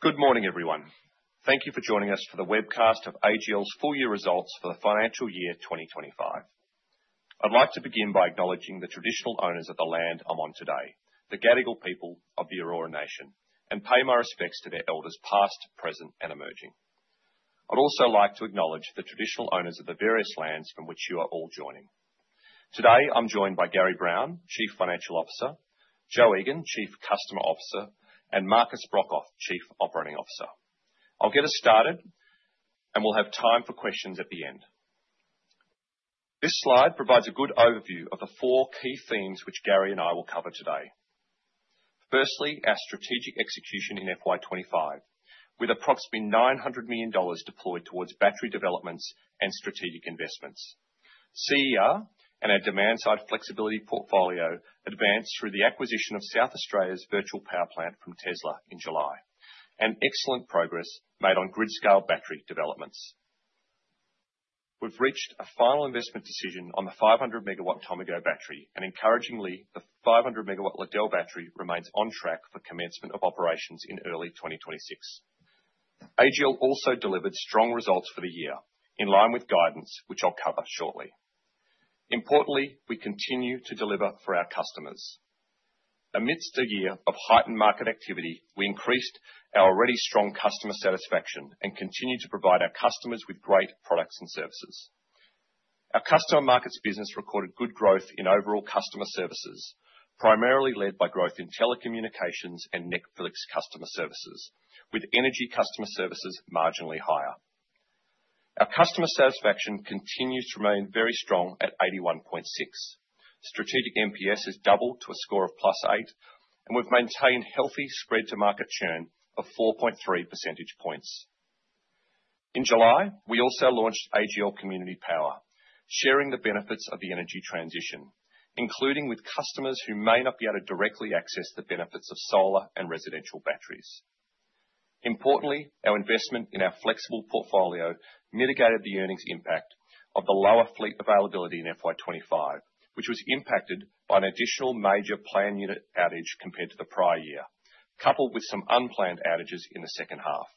Good morning, everyone. Thank you for joining us for the webcast of AGL's full-year results for the financial year 2025. I'd like to begin by acknowledging the traditional owners of the land I'm on today, the Gadigal people of the Eora Nation, and pay my respects to their elders past, present, and emerging. I'd also like to acknowledge the traditional owners of the various lands from which you are all joining. Today, I'm joined by Gary Brown, Chief Financial Officer; Jo Egan, Chief Customer Officer; and Markus Brokhof, Chief Operating Officer. I'll get us started, and we'll have time for questions at the end. This slide provides a good overview of the four key themes which Gary and I will cover today. Firstly, our strategic execution in FY 2025, with approximately 900 million dollars deployed towards battery developments and strategic investments. CER and our demand-side flexibility portfolio advanced through the acquisition of South Australia's virtual power plant from Tesla in July, and excellent progress made on grid-scale battery developments. We've reached a final investment decision on the 500 MW Tomago battery, and encouragingly, the 500 MW Liddell battery remains on track for commencement of operations in early 2026. AGL also delivered strong results for the year, in line with guidance, which I'll cover shortly. Importantly, we continue to deliver for our customers. Amidst a year of heightened market activity, we increased our already strong customer satisfaction and continue to provide our customers with great products and services. Our customer markets business recorded good growth in overall customer services, primarily led by growth in telecommunications and Netflix customer services, with energy customer services marginally higher. Our customer satisfaction continues to remain very strong at 81.6%. Strategic NPS has doubled to a score of plus eight, and we've maintained healthy spread-to-market churn of 4.3 percentage points. In July, we also launched AGL Community Power, sharing the benefits of the energy transition, including with customers who may not be able to directly access the benefits of solar and residential batteries. Importantly, our investment in our flexible portfolio mitigated the earnings impact of the lower fleet availability in FY 2025, which was impacted by an additional major planned unit outage compared to the prior year, coupled with some unplanned outages in the second half.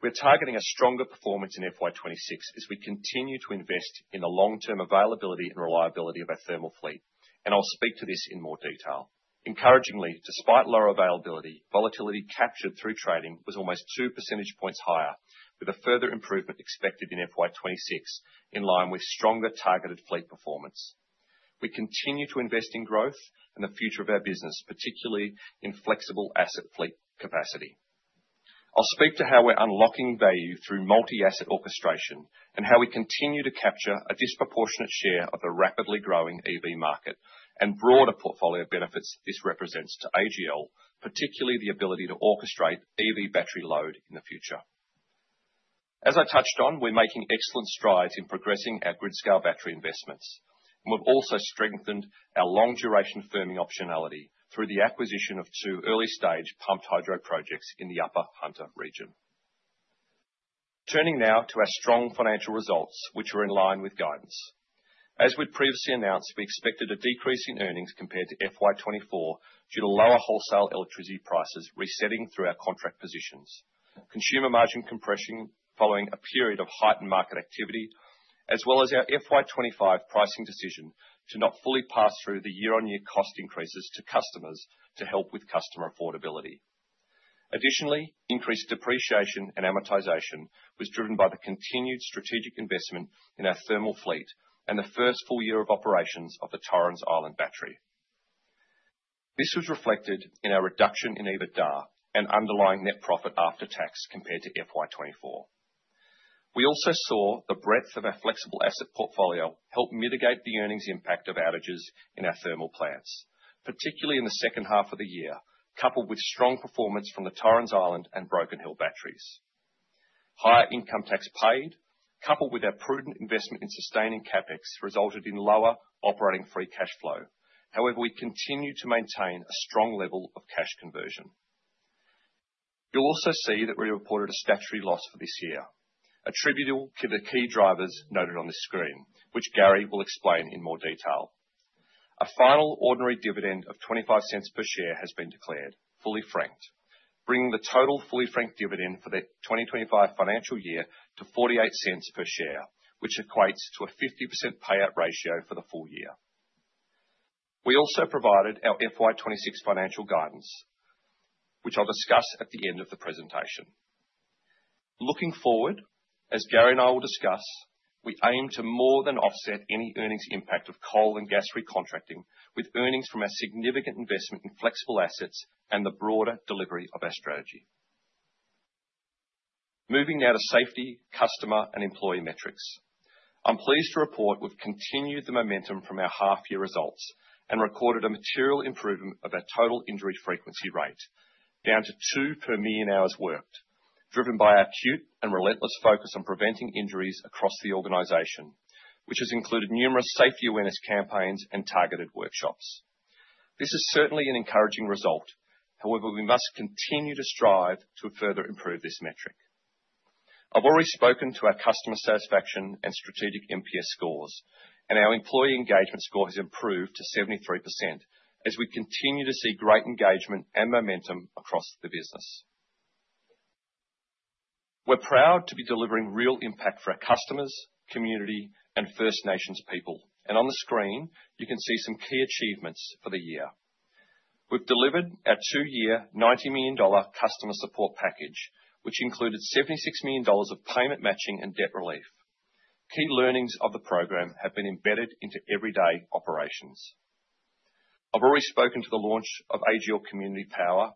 We're targeting a stronger performance in FY 2026 as we continue to invest in the long-term availability and reliability of our thermal fleet, and I'll speak to this in more detail. Encouragingly, despite lower availability, volatility captured through trading was almost 2% higher, with a further improvement expected in FY 2026, in line with stronger targeted fleet performance. We continue to invest in growth and the future of our business, particularly in flexible asset fleet capacity. I'll speak to how we're unlocking value through multi-asset orchestration and how we continue to capture a disproportionate share of the rapidly growing EV market and broader portfolio benefits this represents to AGL, particularly the ability to orchestrate EV battery load in the future. As I touched on, we're making excellent strides in progressing our grid-scale battery investments, and we've also strengthened our long-duration firming optionality through the acquisition of two early-stage pumped hydro projects in the Upper Hunter region. Turning now to our strong financial results, which are in line with guidance. As we previously announced, we expected a decrease in earnings compared to FY 2024 due to lower wholesale electricity prices resetting through our contract positions, consumer margin compression following a period of heightened market activity, as well as our FY 2025 pricing decision to not fully pass through the year-on-year cost increases to customers to help with customer affordability. Additionally, increased depreciation and amortization was driven by the continued strategic investment in our thermal fleet and the first full year of operations of the Torrens Island battery. This was reflected in our reduction in EBITDA and underlying net profit after tax compared to FY 2024. We also saw the breadth of our flexible asset portfolio help mitigate the earnings impact of outages in our thermal plants, particularly in the second half of the year, coupled with strong performance from the Torrens Island and Broken Hill batteries. Higher income tax paid, coupled with our prudent investment in sustaining CapEx, resulted in lower operating free cash flow. However, we continue to maintain a strong level of cash conversion. You'll also see that we reported a statutory loss for this year, attributable to the key drivers noted on the screen, which Gary will explain in more detail. A final ordinary dividend of 0.25 per share has been declared, fully franked, bringing the total fully franked dividend for the 2025 financial year to 0.48 per share, which equates to a 50% payout ratio for the full year. We also provided our FY 2026 financial guidance, which I'll discuss at the end of the presentation. Looking forward, as Gary and I will discuss, we aim to more than offset any earnings impact of coal and gas recontacting with earnings from our significant investment in flexible assets and the broader delivery of our strategy. Moving now to safety, customer, and employee metrics. I'm pleased to report we've continued the momentum from our half-year results and recorded a material improvement of our total injury frequency rate, down to two per million hours worked, driven by our acute and relentless focus on preventing injuries across the organization, which has included numerous safety awareness campaigns and targeted workshops. This is certainly an encouraging result. However, we must continue to strive to further improve this metric. I've already spoken to our customer satisfaction and strategic NPS scores, and our employee engagement score has improved to 73% as we continue to see great engagement and momentum across the business. We're proud to be delivering real impact for our customers, community, and First Nations people, and on the screen, you can see some key achievements for the year. We've delivered our two-year, 90 million dollar customer support package, which included 76 million dollars of payment matching and debt relief. Key learnings of the program have been embedded into everyday operations. I've already spoken to the launch of AGL Community Power,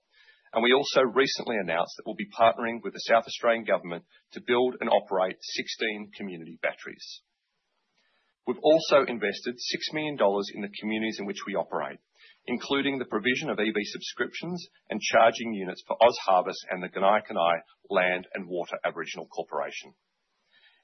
and we also recently announced that we'll be partnering with the South Australian government to build and operate 16 community batteries. We've also invested 6 million dollars in the communities in which we operate, including the provision of electric vehicle subscriptions and charging units for OzHarvest and the Gunaikurnai Land and Water Aboriginal Corporation.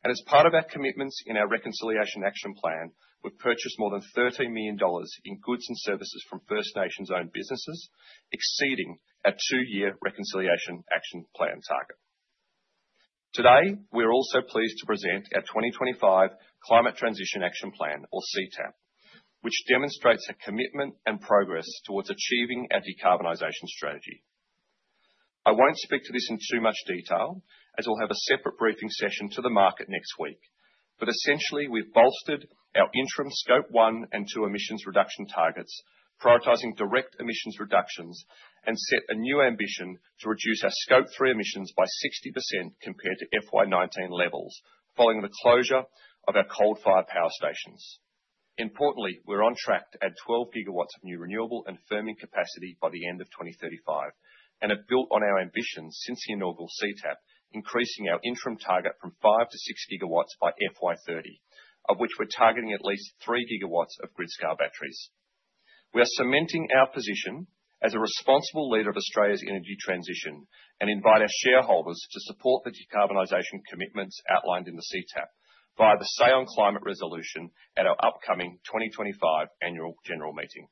As part of our commitments in our reconciliation action plan, we purchased more than 30 million dollars in goods and services from First Nations-owned businesses, exceeding our two-year reconciliation action plan target. Today, we're also pleased to present our 2025 climate transition action plan, or CTAP, which demonstrates a commitment and progress towards achieving our decarbonization strategy. I won't speak to this in too much detail as we'll have a separate briefing session to the market next week. Essentially, we've bolstered our interim Scope 1 and 2 emissions reduction targets, prioritizing direct emissions reductions, and set a new ambition to reduce our Scope 3 emissions by 60% compared to FY 2019 levels following the closure of our coal-fired power stations. Importantly, we're on track to add 12 GW of new renewable and firming capacity by the end of 2035, and have built on our ambitions since the inaugural climate transition action plan, increasing our interim target from 5 GW-6 GW by FY 2030, of which we're targeting at least 3 GW of grid-scale batteries. We are cementing our position as a responsible leader of Australia's energy transition and invite our shareholders to support the decarbonization commitments outlined in the climate transition action plan via the Say on Climate resolution at our upcoming 2025 annual general meeting.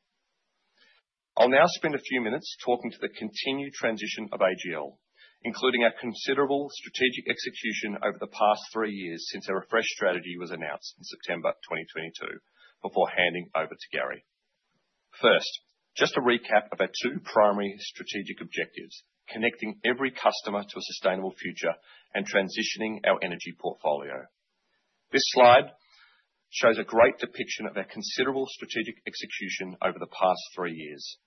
I'll now spend a few minutes talking to the continued transition of AGL, including our considerable strategic execution over the past three years since our refresh strategy was announced in September 2022, before handing over to Gary. First, just a recap of our two primary strategic objectives: connecting every customer to a sustainable future and transitioning our energy portfolio. This slide shows a great depiction of our considerable strategic execution over the past three years.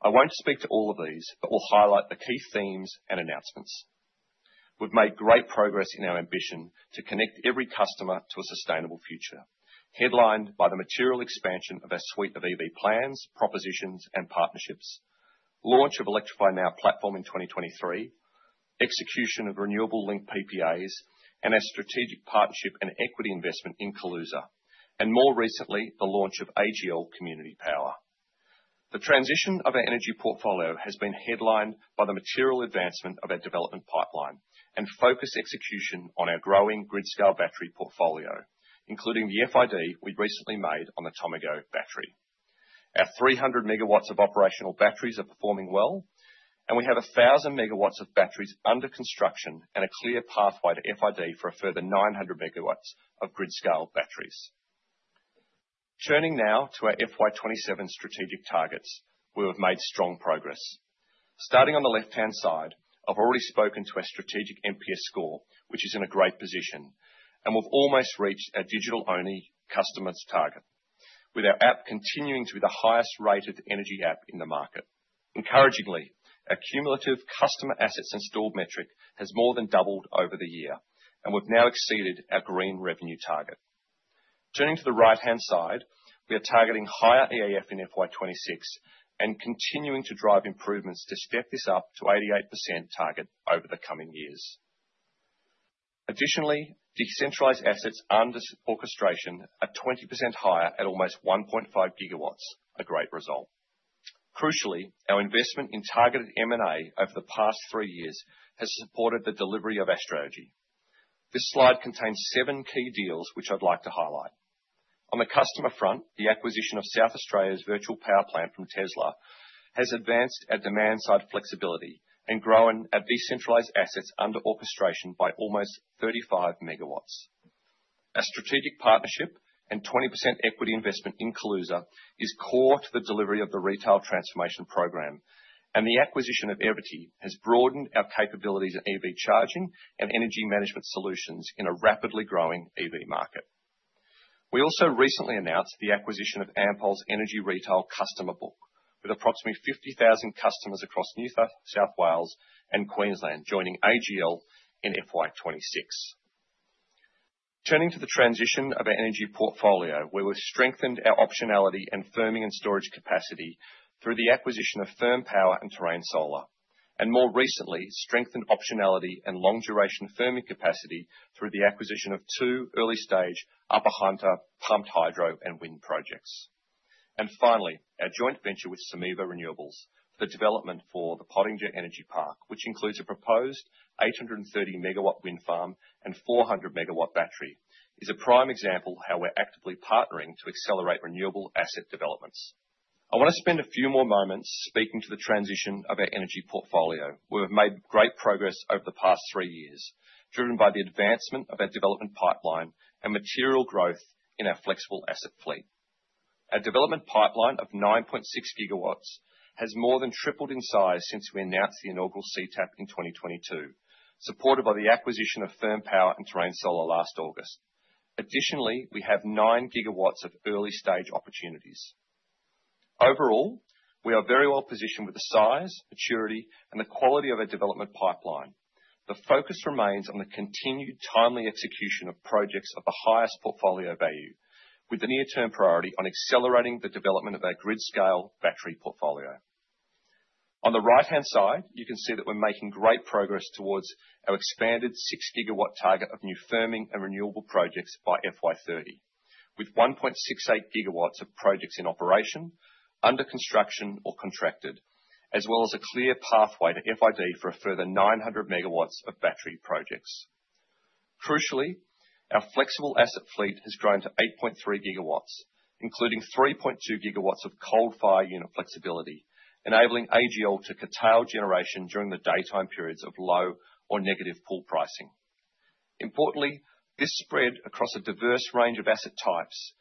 I won't speak to all of these, but will highlight the key themes and announcements. We've made great progress in our ambition to connect every customer to a sustainable future, headlined by the material expansion of our suite of electric vehicle plans, propositions, and partnerships, launch of Electrify Now platform in 2023, execution of renewable link PPAs, and our strategic partnership and equity investment in Kaluza, and more recently, the launch of AGL Community Power. The transition of our energy portfolio has been headlined by the material advancement of our development pipeline and focused execution on our growing grid-scale battery portfolio, including the final investment decision we recently made on the Tomago battery. Our 300 MW of operational batteries are performing well, and we have 1,000 MW of batteries under construction and a clear pathway to final investment decision for a further 900 MW of grid-scale batteries. Turning now to our FY 2027 strategic targets, we have made strong progress. Starting on the left-hand side, I've already spoken to our strategic NPS score, which is in a great position, and we've almost reached our digital-only customer's target, with our app continuing to be the highest-rated energy app in the market. Encouragingly, our cumulative customer assets installed metric has more than doubled over the year, and we've now exceeded our green revenue target. Turning to the right-hand side, we are targeting higher EAF in FY 2026 and continuing to drive improvements to step this up to 88% target over the coming years. Additionally, decentralized assets under orchestration are 20% higher at almost 1.5 GW, a great result. Crucially, our investment in targeted M&A over the past three years has supported the delivery of our strategy. This slide contains seven key deals, which I'd like to highlight. On the customer front, the acquisition of South Australia's virtual power plant from Tesla has advanced our demand-side flexibility and grown our decentralized assets under orchestration by almost 35 MW. Our strategic partnership and 20% equity investment in Kaluza is core to the delivery of the retail transformation program, and the acquisition of Everty has broadened our capabilities in EV charging and energy management solutions in a rapidly growing EV market. We also recently announced the acquisition of Ampol's Energy Retail customer book, with approximately 50,000 customers across New South Wales and Queensland joining AGL in FY 2026. Turning to the transition of our energy portfolio, we will strengthen our optionality and firming and storage capacity through the acquisition of Firm Power and Terrain Solar, and more recently, strengthen optionality and long-duration firming capacity through the acquisition of two early-stage Upper Hunter pumped hydro and wind projects. Finally, our joint venture with Someva Renewables for the development of the Pottinger Energy Park, which includes a proposed 830-MW wind farm and 400-MW battery, is a prime example of how we're actively partnering to accelerate renewable asset developments. I want to spend a few more moments speaking to the transition of our energy portfolio. We've made great progress over the past three years, driven by the advancement of our development pipeline and material growth in our flexible asset fleet. Our development pipeline of 9.6 GW has more than tripled in size since we announced the inaugural CTAP in 2022, supported by the acquisition of Firm Power and Terrain Solar last August. Additionally, we have 9 GW of early-stage opportunities. Overall, we are very well positioned with the size, maturity, and the quality of our development pipeline. The focus remains on the continued timely execution of projects of the highest portfolio value, with the near-term priority on accelerating the development of our grid-scale battery portfolio. On the right-hand side, you can see that we're making great progress towards our expanded 6-gigawatt target of new firming and renewable projects by FY 2030, with 1.68 GW of projects in operation, under construction, or contracted, as well as a clear pathway to FID for a further 900 MW of battery projects. Crucially, our flexible asset fleet has grown to 8.3 GW, including 3.2 GW of coal-fired unit flexibility, AGL to curtail generation during the daytime periods of low or negative pool pricing. Importantly, this is spread across a diverse range of asset types.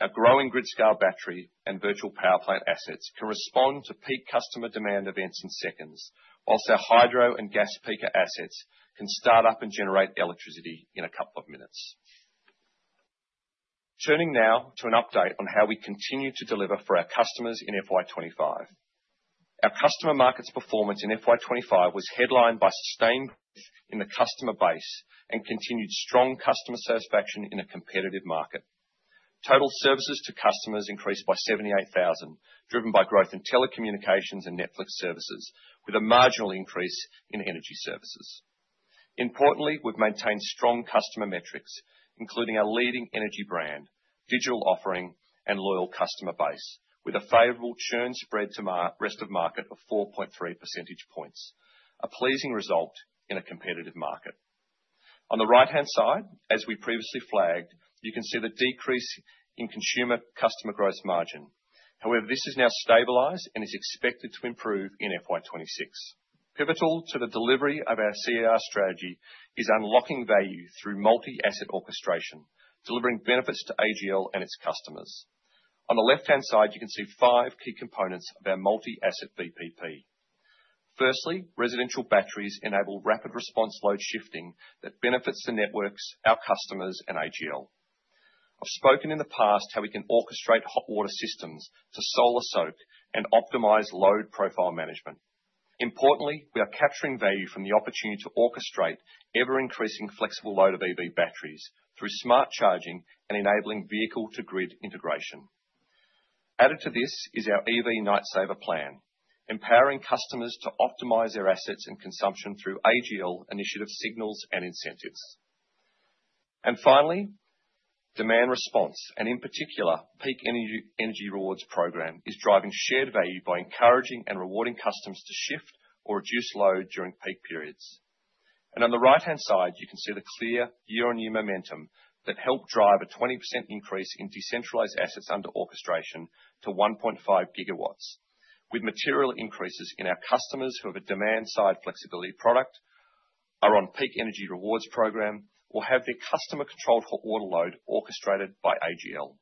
Our growing grid-scale battery and virtual power plant assets can respond to peak customer demand events in seconds, whilst our hydro and gas peaker assets can start up and generate electricity in a couple of minutes. Turning now to an update on how we continue to deliver for our customers in FY 2025. Our customer market's performance in FY 2025 was headlined by sustained growth in the customer base and continued strong customer satisfaction in a competitive market. Total services to customers increased by 78,000, driven by growth in telecommunications and Netflix services, with a marginal increase in energy services. Importantly, we've maintained strong customer metrics, including our leading energy brand, digital offering, and loyal customer base, with a favorable churn spread to the rest of the market of 4.3%, a pleasing result in a competitive market. On the right-hand side, as we previously flagged, you can see the decrease in consumer customer growth margin. However, this is now stabilized and is expected to improve in FY 2026. Pivotal to the delivery of our CER strategy is unlocking value through multi-asset orchestration, delivering benefits AGL and its customers. On the left-hand side, you can see five key components of our multi-asset VPP. Firstly, residential batteries enable rapid response load shifting that benefits the networks, our customers, and AGL. I've spoken in the past how we can orchestrate hot water systems to solar soak and optimize load profile management. Importantly, we are capturing value from the opportunity to orchestrate ever-increasing flexible load of EV batteries through smart charging and enabling vehicle-to-grid integration. Added to this is our EV Night Saver plan, empowering customers to optimize their assets and consumption through AGL initiative signals and incentives. Finally, demand response and, in particular, peak energy rewards program is driving shared value by encouraging and rewarding customers to shift or reduce load during peak periods. On the right-hand side, you can see the clear year-on-year momentum that helped drive a 20% increase in decentralized assets under orchestration to 1.5 GW, with material increases in our customers who have a demand-side flexibility product, are on peak energy rewards program, or have their customer-controlled hot water load orchestrated by AGL.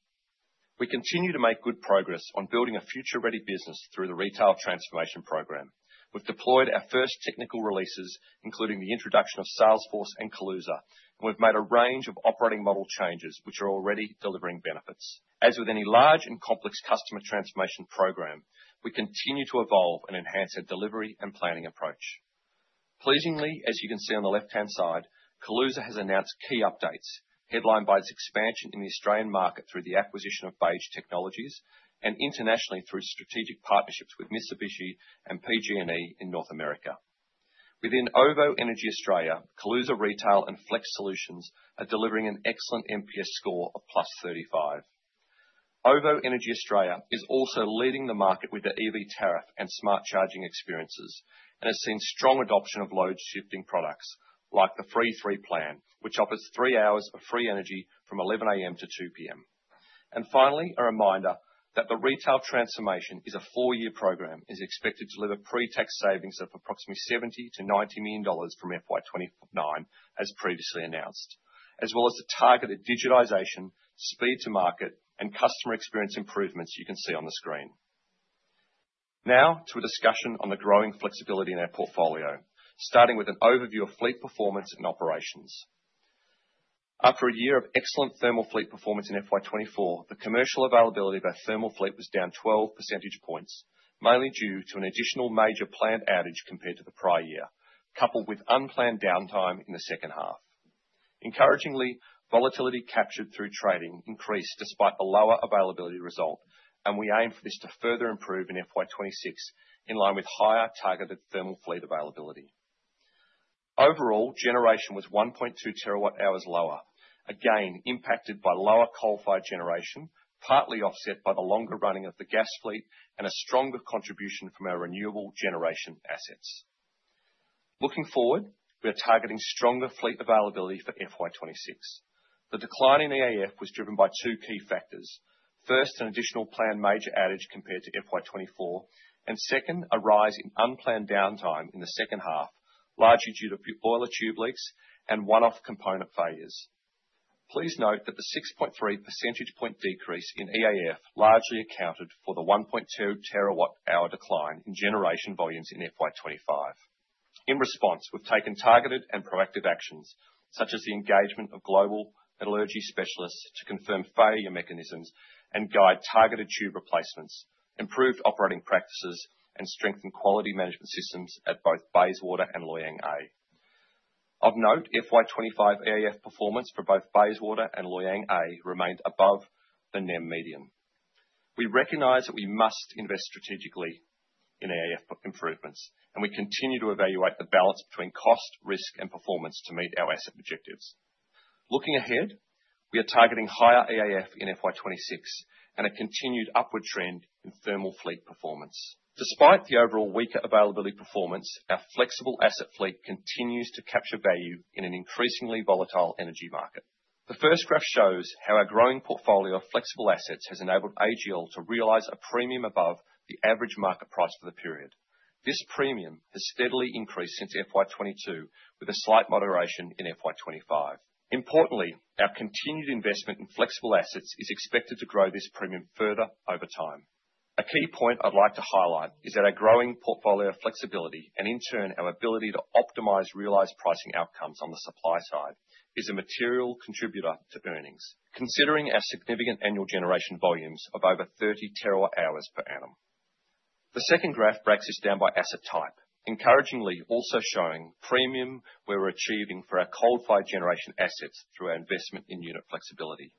We continue to make good progress on building a future-ready business through the retail transformation program. We've deployed our first technical releases, including the introduction of Salesforce and Kaluza, and we've made a range of operating model changes, which are already delivering benefits. As with any large and complex customer transformation program, we continue to evolve and enhance our delivery and planning approach. Pleasingly, as you can see on the left-hand side, Kaluza has announced key updates, headlined by its expansion in the Australian market through the acquisition of Beige Technologies, and internationally through strategic partnerships with Mitsubishi and PG&E in North America. Within OVO Energy Australia, Kaluza Retail and Flex Solutions are delivering an excellent NPS score of +35. OVO Energy Australia is also leading the market with their EV tariff and smart charging experiences, and it's seen strong adoption of load-shifting products like the Free 3 plan, which offers three hours of free energy from 11:00 A.M. to 2:00 P.M. Finally, a reminder that the retail transformation is a four-year program and is expected to deliver pre-tax savings of approximately 70 million-90 million dollars from FY 2029, as previously announced, as well as the targeted digitization, speed to market, and customer experience improvements you can see on the screen. Now to a discussion on the growing flexibility in our portfolio, starting with an overview of fleet performance and operations. After a year of excellent thermal fleet performance in FY 2024, the commercial availability of our thermal fleet was down 12% mainly due to an additional major planned outage compared to the prior year, coupled with unplanned downtime in the second half. Encouragingly, volatility captured through trading increased despite the lower availability result, and we aim for this to further improve in FY 2026, in line with higher targeted thermal fleet availability. Overall, generation was 1.2 TW-hours lower, again impacted by lower coal-fired generation, partly offset by the longer running of the gas fleet and a stronger contribution from our renewable generation assets. Looking forward, we are targeting stronger fleet availability for FY 2026. The decline in EAF was driven by two key factors. First, an additional planned major outage compared to FY 2024, and second, a rise in unplanned downtime in the second half, largely due to boiler tube leaks and one-off component failures. Please note that the 6.3% decrease in EAF largely accounted for the 1.2 TW-hour decline in generation volumes in FY 2025. In response, we've taken targeted and proactive actions, such as the engagement of global energy specialists to confirm failure mechanisms and guide targeted tube replacements, improved operating practices, and strengthened quality management systems at both Bayswater and Loy Yang A. Of note, FY 2025 EAF performance for both Bayswater and Loy Yang A remained above the NEM median. We recognize that we must invest strategically in EAF improvements, and we continue to evaluate the balance between cost, risk, and performance to meet our asset objectives. Looking ahead, we are targeting higher EAF in FY 2026 and a continued upward trend in thermal fleet performance. Despite the overall weaker availability performance, our flexible asset fleet continues to capture value in an increasingly volatile energy market. The first graph shows how our growing portfolio of flexible assets has AGL to realize a premium above the average market price for the period. This premium has steadily increased since FY 2022, with a slight moderation in FY 2025. Importantly, our continued investment in flexible assets is expected to grow this premium further over time. A key point I'd like to highlight is that our growing portfolio flexibility and, in turn, our ability to optimize realized pricing outcomes on the supply side is a material contributor to earnings, considering our significant annual generation volumes of over 30 TW-hours per annum. The second graph breaks this down by asset type, encouragingly also showing premium where we're achieving for our coal-fired generation assets through our investment in unit flexibility.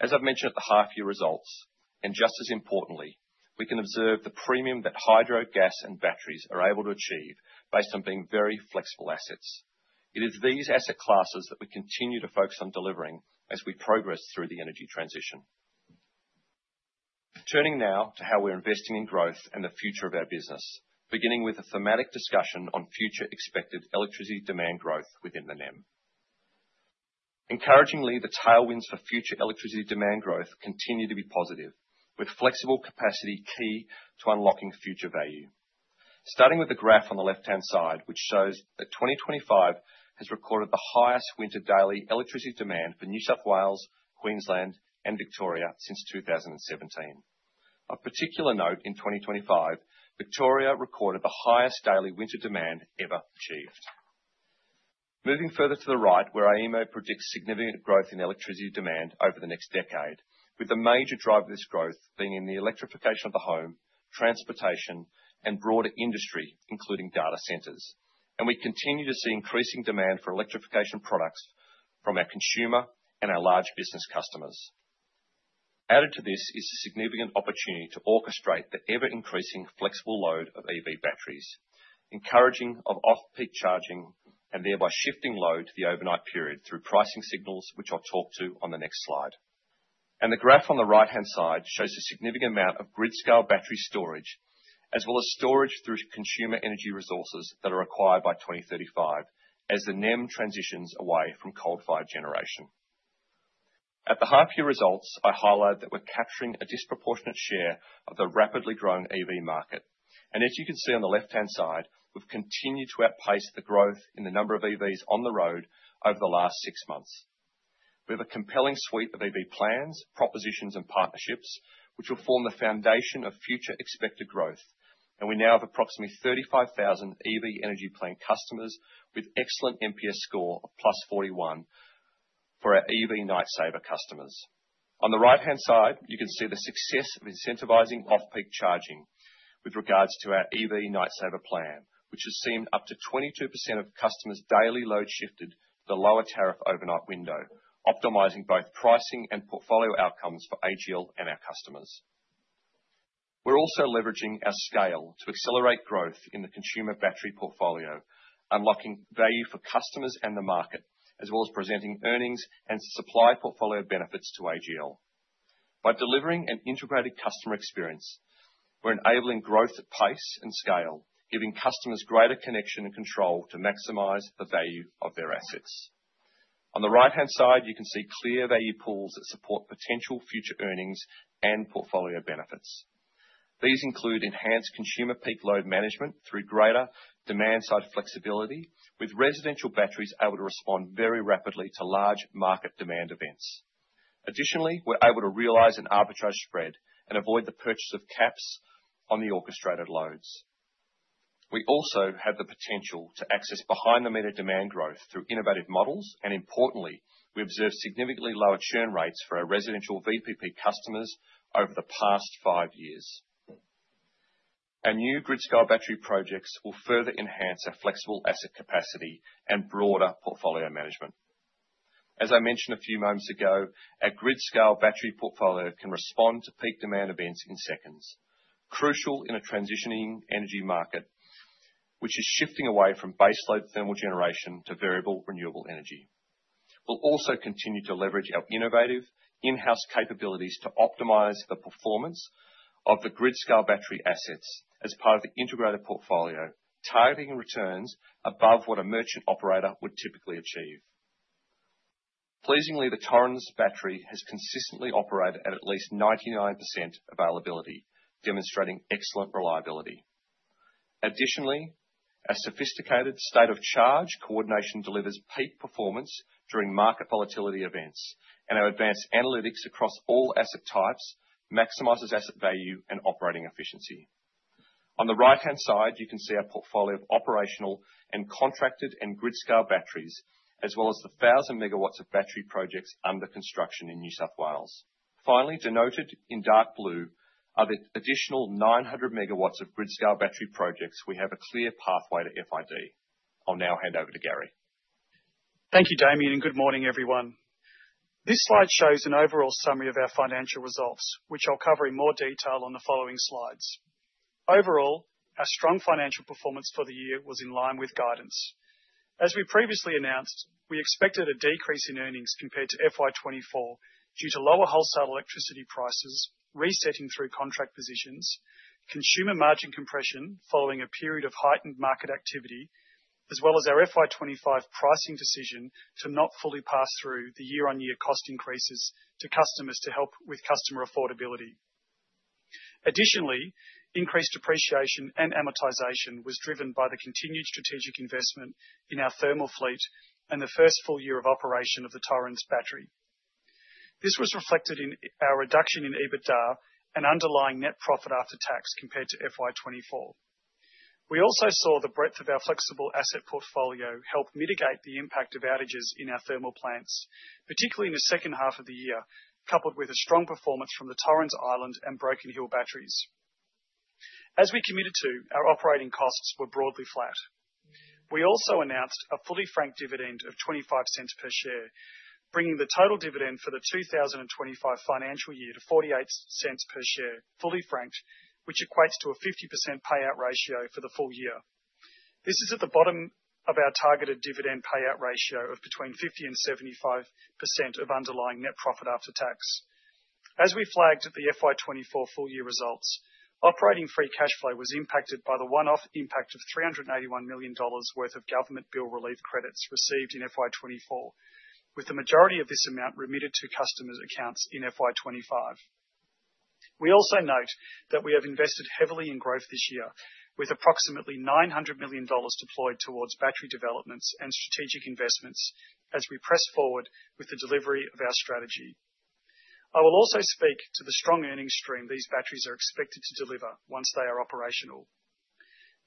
As I've mentioned at the half-year results, and just as importantly, we can observe the premium that hydro, gas, and batteries are able to achieve based on being very flexible assets. It is these asset classes that we continue to focus on delivering as we progress through the energy transition. Turning now to how we're investing in growth and the future of our business, beginning with a thematic discussion on future expected electricity demand growth within the NEM. Encouragingly, the tailwinds for future electricity demand growth continue to be positive, with flexible capacity key to unlocking future value. Starting with the graph on the left-hand side, which shows that 2025 has recorded the highest winter daily electricity demand for New South Wales, Queensland, and Victoria since 2017. Of particular note, in 2025, Victoria recorded the highest daily winter demand ever achieved. Moving further to the right, where our EMO predicts significant growth in electricity demand over the next decade, with the major driver of this growth being in the electrification of the home, transportation, and broader industry, including data centers. We continue to see increasing demand for electrification products from our consumer and our large business customers. Added to this is the significant opportunity to orchestrate the ever-increasing flexible load of EV batteries, encouraging off-peak charging and thereby shifting load to the overnight period through pricing signals, which I'll talk to on the next slide. The graph on the right-hand side shows the significant amount of grid-scale battery storage, as well as storage through consumer energy resources that are required by 2035 as the NEM transitions away from coal-fired generation. At the half-year results, I highlight that we're capturing a disproportionate share of the rapidly growing EV market. As you can see on the left-hand side, we've continued to outpace the growth in the number of EVs on the road over the last six months. We have a compelling suite of EV plans, propositions, and partnerships, which will form the foundation of future expected growth. We now have approximately 35,000 EV energy plan customers with an excellent NPS score of +41 for our EV Night Saver customers. On the right-hand side, you can see the success of incentivizing off-peak charging with regards to our EV Night Saver plan, which has seen up to 22% of customers' daily load shifted to the lower tariff overnight window, optimizing both pricing and portfolio outcomes AGL and our customers. We're also leveraging our scale to accelerate growth in the consumer battery portfolio, unlocking value for customers and the market, as well as presenting earnings and supply portfolio benefits to AGL. By delivering an integrated customer experience, we're enabling growth at pace and scale, giving customers greater connection and control to maximize the value of their assets. On the right-hand side, you can see clear value pools that support potential future earnings and portfolio benefits. These include enhanced consumer peak load management through greater demand-side flexibility, with residential batteries able to respond very rapidly to large market demand events. Additionally, we're able to realize an arbitrage spread and avoid the purchase of caps on the orchestrated loads. We also have the potential to access behind-the-meter demand growth through innovative models, and importantly, we observe significantly lower churn rates for our residential virtual power plant customers over the past five years. Our new grid-scale battery projects will further enhance our flexible asset capacity and broader portfolio management. As I mentioned a few moments ago, our grid-scale battery portfolio can respond to peak demand events in seconds, crucial in a transitioning energy market, which is shifting away from base load thermal generation to variable renewable energy. We'll also continue to leverage our innovative in-house capabilities to optimize the performance of the grid-scale battery assets as part of the integrated portfolio, targeting returns above what a merchant operator would typically achieve. Pleasingly, the Torrens battery has consistently operated at at least 99% availability, demonstrating excellent reliability. Additionally, our sophisticated state-of-charge coordination delivers peak performance during market volatility events, and our advanced analytics across all asset types maximizes asset value and operating efficiency. On the right-hand side, you can see our portfolio of operational and contracted and grid-scale batteries, as well as the 1,000 MW of battery projects under construction in New South Wales. Finally, denoted in dark blue are the additional 900 MW of grid-scale battery projects we have a clear pathway to FID. I'll now hand over to Gary. Thank you, Damien, and good morning, everyone. This slide shows an overall summary of our financial results, which I'll cover in more detail on the following slides. Overall, our strong financial performance for the year was in line with guidance. As we previously announced, we expected a decrease in earnings compared to 2024 due to lower wholesale electricity prices resetting through contract positions, consumer margin compression following a period of heightened market activity, as well as our 2025 pricing decision to not fully pass through the year-on-year cost increases to customers to help with customer affordability. Additionally, increased depreciation and amortization was driven by the continued strategic investment in our thermal fleet and the first full year of operation of the Torrens battery. This was reflected in our reduction in EBITDA and underlying net profit after tax compared to 2024. We also saw the breadth of our flexible asset portfolio help mitigate the impact of outages in our thermal plants, particularly in the second half of the year, coupled with a strong performance from the Torrens Island and Broken Hill batteries. As we committed to, our operating costs were broadly flat. We also announced a fully franked dividend of 0.25 per share, bringing the total dividend for the 2025 financial year to 0.48 per share, fully franked, which equates to a 50% payout ratio for the full year. This is at the bottom of our targeted dividend payout ratio of between 50% and 75% of underlying net profit after tax. As we flagged at the 2024 full-year results, operating free cash flow was impacted by the one-off impact of 381 million dollars worth of government bill relief credits received in 2024, with the majority of this amount remitted to customer accounts in 2025. We also note that we have invested heavily in growth this year, with approximately 900 million dollars deployed towards battery developments and strategic investments as we press forward with the delivery of our strategy. I will also speak to the strong earnings stream these batteries are expected to deliver once they are operational.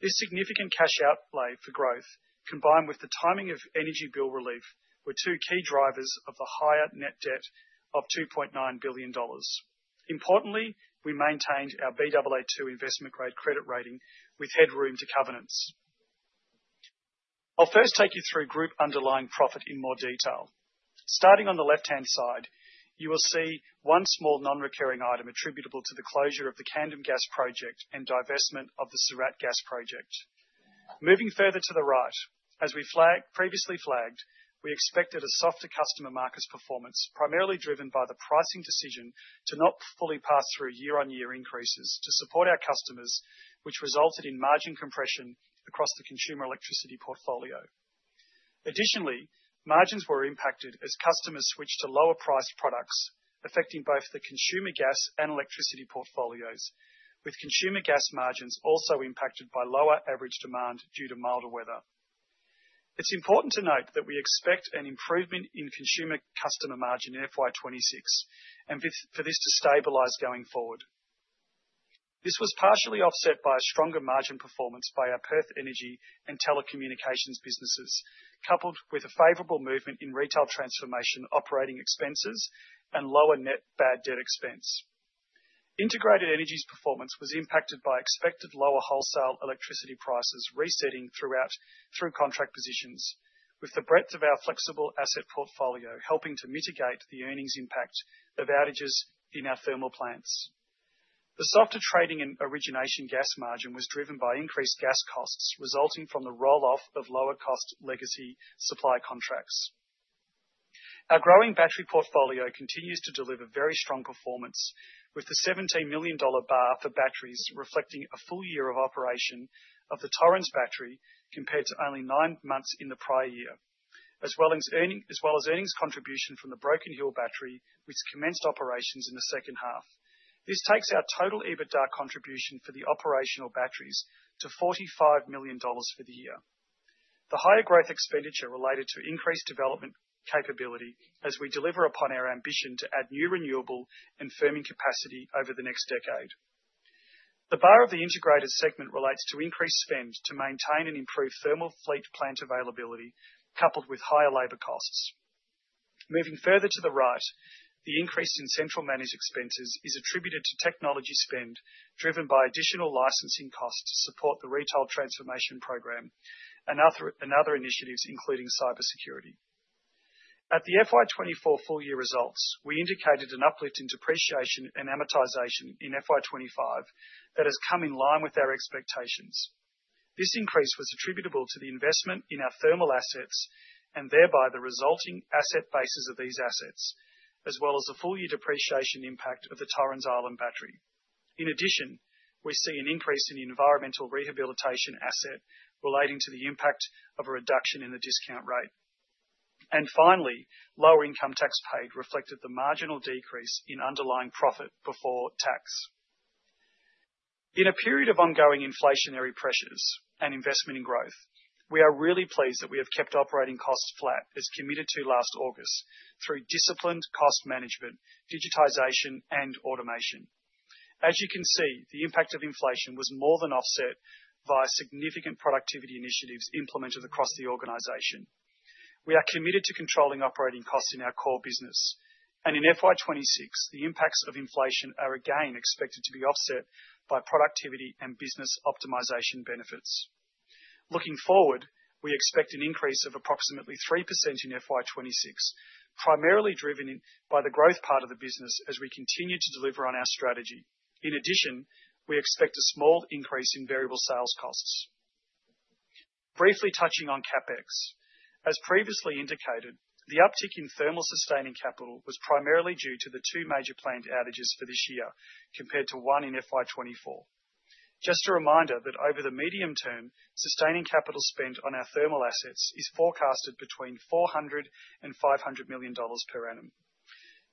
This significant cash outlay for growth, combined with the timing of energy bill relief, were two key drivers of the higher net debt of 2.9 billion dollars. Importantly, we maintained our Baa2 investment-grade credit rating with headroom to covenants. I'll first take you through group underlying profit in more detail. Starting on the left-hand side, you will see one small non-recurring item attributable to the closure of the Camden Gas project and divestment of the Surat Gas project. Moving further to the right, as we previously flagged, we expected a softer customer market performance, primarily driven by the pricing decision to not fully pass through year-on-year increases to support our customers, which resulted in margin compression across the consumer electricity portfolio. Additionally, margins were impacted as customers switched to lower-priced products, affecting both the consumer gas and electricity portfolios, with consumer gas margins also impacted by lower average demand due to milder weather. It's important to note that we expect an improvement in consumer customer margin in FY 2026, and for this to stabilize going forward. This was partially offset by a stronger margin performance by our Perth Energy and telecommunications businesses, coupled with a favorable movement in retail transformation operating expenses and lower net bad debt expense. Integrated Energy's performance was impacted by expected lower wholesale electricity prices resetting throughout through contract positions, with the breadth of our flexible asset portfolio helping to mitigate the earnings impact of outages in our thermal plants. The softer trading in origination gas margin was driven by increased gas costs resulting from the rolloff of lower-cost legacy supply contracts. Our growing battery portfolio continues to deliver very strong performance, with the AUD 17 million bar for batteries reflecting a full year of operation of the Torrens battery compared to only nine months in the prior year, as well as earnings contribution from the Broken Hill battery which commenced operations in the second half. This takes our total EBITDA contribution for the operational batteries to 45 million dollars for the year. The higher growth expenditure related to increased development capability as we deliver upon our ambition to add new renewable and firming capacity over the next decade. The bar of the integrated segment relates to increased spend to maintain and improve thermal fleet plant availability, coupled with higher labor costs. Moving further to the right, the increase in central managed expenses is attributed to technology spend driven by additional licensing costs to support the retail transformation program and other initiatives, including cybersecurity. At the FY 2024 full-year results, we indicated an uplift in depreciation and amortization in FY 2025 that has come in line with our expectations. This increase was attributable to the investment in our thermal assets and thereby the resulting asset bases of these assets, as well as the full-year depreciation impact of the Torrens Island battery. In addition, we see an increase in the environmental rehabilitation asset relating to the impact of a reduction in the discount rate. Finally, lower income tax paid reflected the marginal decrease in underlying profit before tax. In a period of ongoing inflationary pressures and investment in growth, we are really pleased that we have kept operating costs flat, as committed to last August, through disciplined cost management, digitization, and automation. As you can see, the impact of inflation was more than offset via significant productivity initiatives implemented across the organization. We are committed to controlling operating costs in our core business, and in FY 2026, the impacts of inflation are again expected to be offset by productivity and business optimization benefits. Looking forward, we expect an increase of approximately 3% in FY 2026, primarily driven by the growth part of the business as we continue to deliver on our strategy. In addition, we expect a small increase in variable sales costs. Briefly touching on CapEx, as previously indicated, the uptick in thermal sustaining capital was primarily due to the two major planned outages for this year compared to one in FY 2024. Just a reminder that over the medium term, sustaining capital spend on our thermal assets is forecasted between 400 million dollars and AUD 500 million per annum.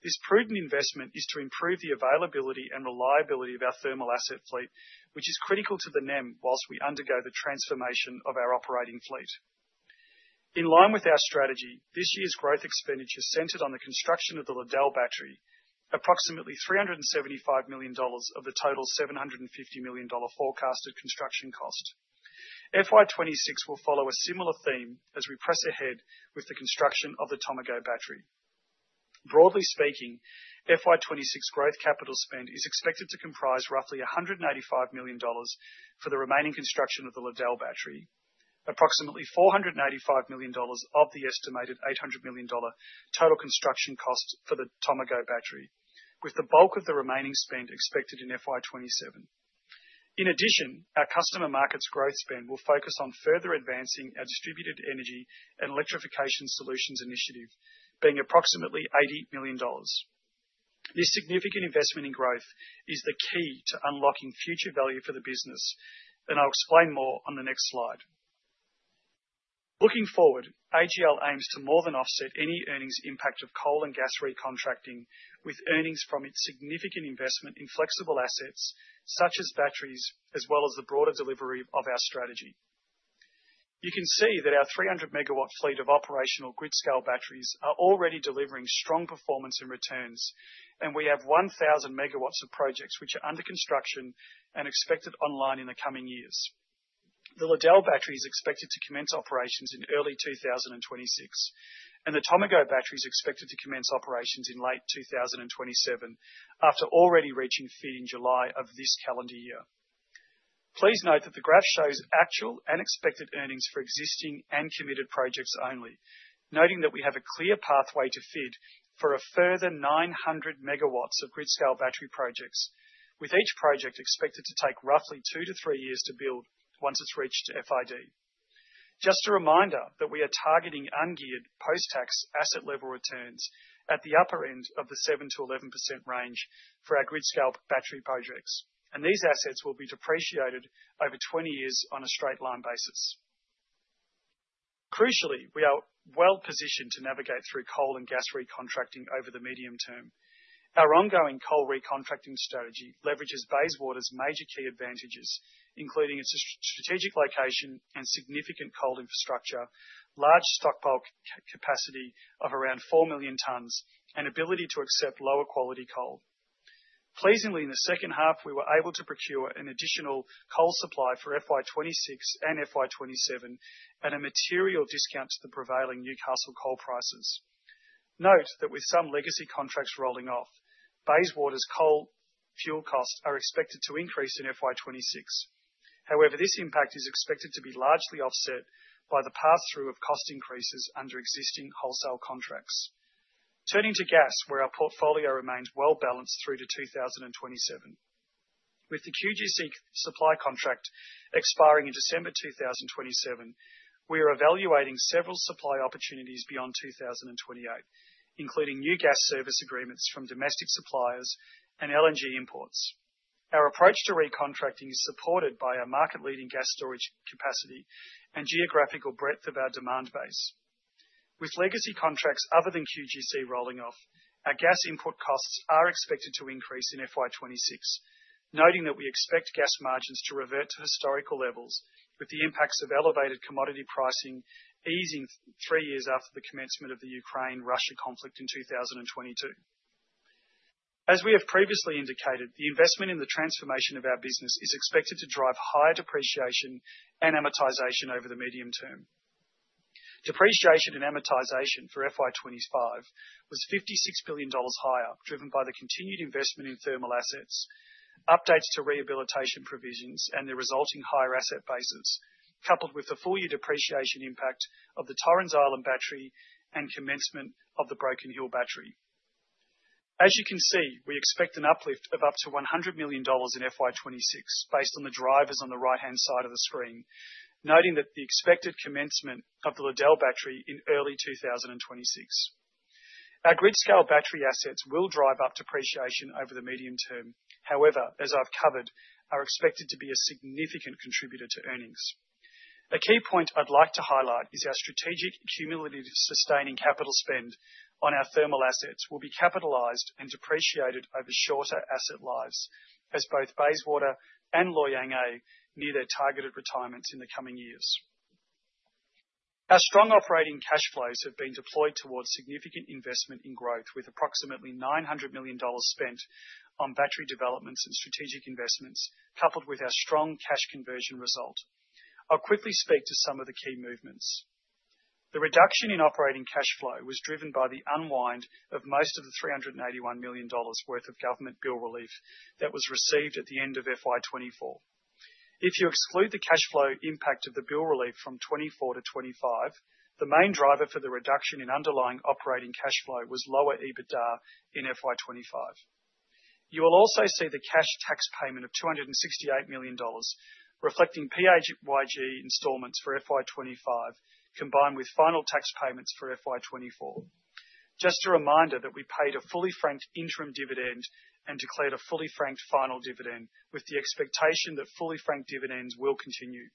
This prudent investment is to improve the availability and reliability of our thermal asset fleet, which is critical to the NEM whilst we undergo the transformation of our operating fleet. In line with our strategy, this year's growth expenditure centered on the construction of the Liddell battery, approximately 375 million dollars of the total 750 million dollar forecasted construction cost. FY 2026 will follow a similar theme as we press ahead with the construction of the Tomago battery. Broadly speaking, FY 2026 growth capital spend is expected to comprise roughly 185 million dollars for the remaining construction of the Liddell battery, approximately 485 million dollars of the estimated 800 million dollar total construction cost for the Tomago battery, with the bulk of the remaining spend expected in FY 2027. In addition, our customer markets growth spend will focus on further advancing our distributed energy and electrification solutions initiative, being approximately 80 million dollars. This significant investment in growth is the key to unlocking future value for the business, and I'll explain more on the next slide. Looking AGL aims to more than offset any earnings impact of coal and gas recontracting with earnings from its significant investment in flexible assets, such as batteries, as well as the broader delivery of our strategy. You can see that our 300-MW fleet of operational grid-scale batteries are already delivering strong performance and returns, and we have 1,000 MW of projects which are under construction and expected online in the coming years. The Liddell battery is expected to commence operations in early 2026, and the Tomago battery is expected to commence operations in late 2027 after already reaching FID in July of this calendar year. Please note that the graph shows actual and expected earnings for existing and committed projects only, noting that we have a clear pathway to FID for a further 900 MW of grid-scale battery projects, with each project expected to take roughly two to three years to build once it's reached FID. Just a reminder that we are targeting ungeared post-tax asset level returns at the upper end of the 7%-11% range for our grid-scale battery projects, and these assets will be depreciated over 20 years on a straight line basis. Crucially, we are well positioned to navigate through coal and gas recontracting over the medium term. Our ongoing coal recontracting strategy leverages Bayswater's major key advantages, including its strategic location and significant coal infrastructure, large stock bulk capacity of around 4 million tons, and ability to accept lower quality coal. Pleasingly, in the second half, we were able to procure an additional coal supply for FY 2026 and FY 2027 at a material discount to the prevailing Newcastle coal prices. Note that with some legacy contracts rolling off, Bayswater's coal fuel costs are expected to increase in FY 2026. However, this impact is expected to be largely offset by the pass-through of cost increases under existing wholesale contracts. Turning to gas, where our portfolio remains well balanced through to 2027. With the QGC supply contract expiring in December 2027, we are evaluating several supply opportunities beyond 2028, including new gas service agreements from domestic suppliers and LNG imports. Our approach to recontracting is supported by our market-leading gas storage capacity and geographical breadth of our demand base. With legacy contracts other than QGC rolling off, our gas input costs are expected to increase in FY 2026, noting that we expect gas margins to revert to historical levels with the impacts of elevated commodity pricing easing three years after the commencement of the Ukraine-Russia conflict in 2022. As we have previously indicated, the investment in the transformation of our business is expected to drive higher depreciation and amortization over the medium term. Depreciation and amortization for FY 2025 was 56 million dollars higher, driven by the continued investment in thermal assets, updates to rehabilitation provisions, and the resulting higher asset bases, coupled with the full-year depreciation impact of the Torrens Island battery and commencement of the Broken Hill battery. As you can see, we expect an uplift of up to 100 million dollars in FY 2026 based on the drivers on the right-hand side of the screen, noting the expected commencement of the Liddell battery in early 2026. Our grid-scale battery assets will drive up depreciation over the medium term. However, as I've covered, are expected to be a significant contributor to earnings. A key point I'd like to highlight is our strategic cumulative sustaining capital spend on our thermal assets will be capitalized and depreciated over shorter asset lives, as both Bayswater and Loy Yang A near their targeted retirements in the coming years. Our strong operating cash flows have been deployed towards significant investment in growth, with approximately 900 million dollars spent on battery developments and strategic investments, coupled with our strong cash conversion result. I'll quickly speak to some of the key movements. The reduction in operating cash flow was driven by the unwind of most of the 381 million dollars worth of government bill relief that was received at the end of FY 2024. If you exclude the cash flow impact of the bill relief from 2024 to 2025, the main driver for the reduction in underlying operating cash flow was lower EBITDA in FY 2025. You will also see the cash tax payment of 268 million dollars, reflecting PAYG installments for FY 2025 combined with final tax payments for FY 2024. Just a reminder that we paid a fully franked interim dividend and declared a fully franked final dividend, with the expectation that fully franked dividends will continue.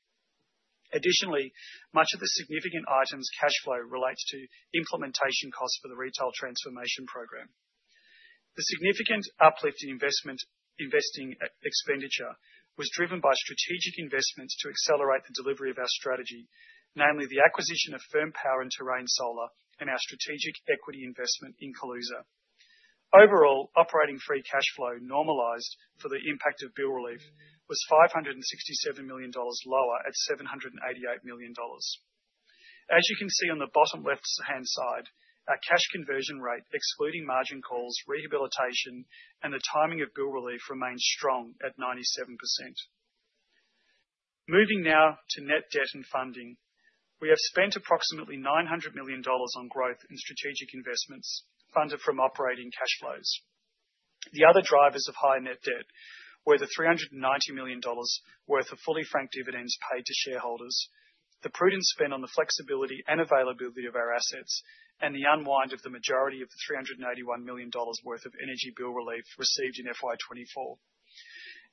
Additionally, much of the significant items cash flow relates to implementation costs for the retail transformation program. The significant uplift in investing expenditure was driven by strategic investments to accelerate the delivery of our strategy, namely the acquisition of Firm Power and Terrain Solar and our strategic equity investment in Kaluza. Overall, operating free cash flow normalized for the impact of bill relief was 567 million dollars lower at 788 million dollars. As you can see on the bottom left-hand side, our cash conversion rate, excluding margin calls, rehabilitation, and the timing of bill relief, remains strong at 97%. Moving now to net debt and funding, we have spent approximately 900 million dollars on growth in strategic investments funded from operating cash flows. The other drivers of high net debt were the 390 million dollars worth of fully franked dividends paid to shareholders, the prudent spend on the flexibility and availability of our assets, and the unwind of the majority of the 381 million dollars worth of energy bill relief received in FY 2024.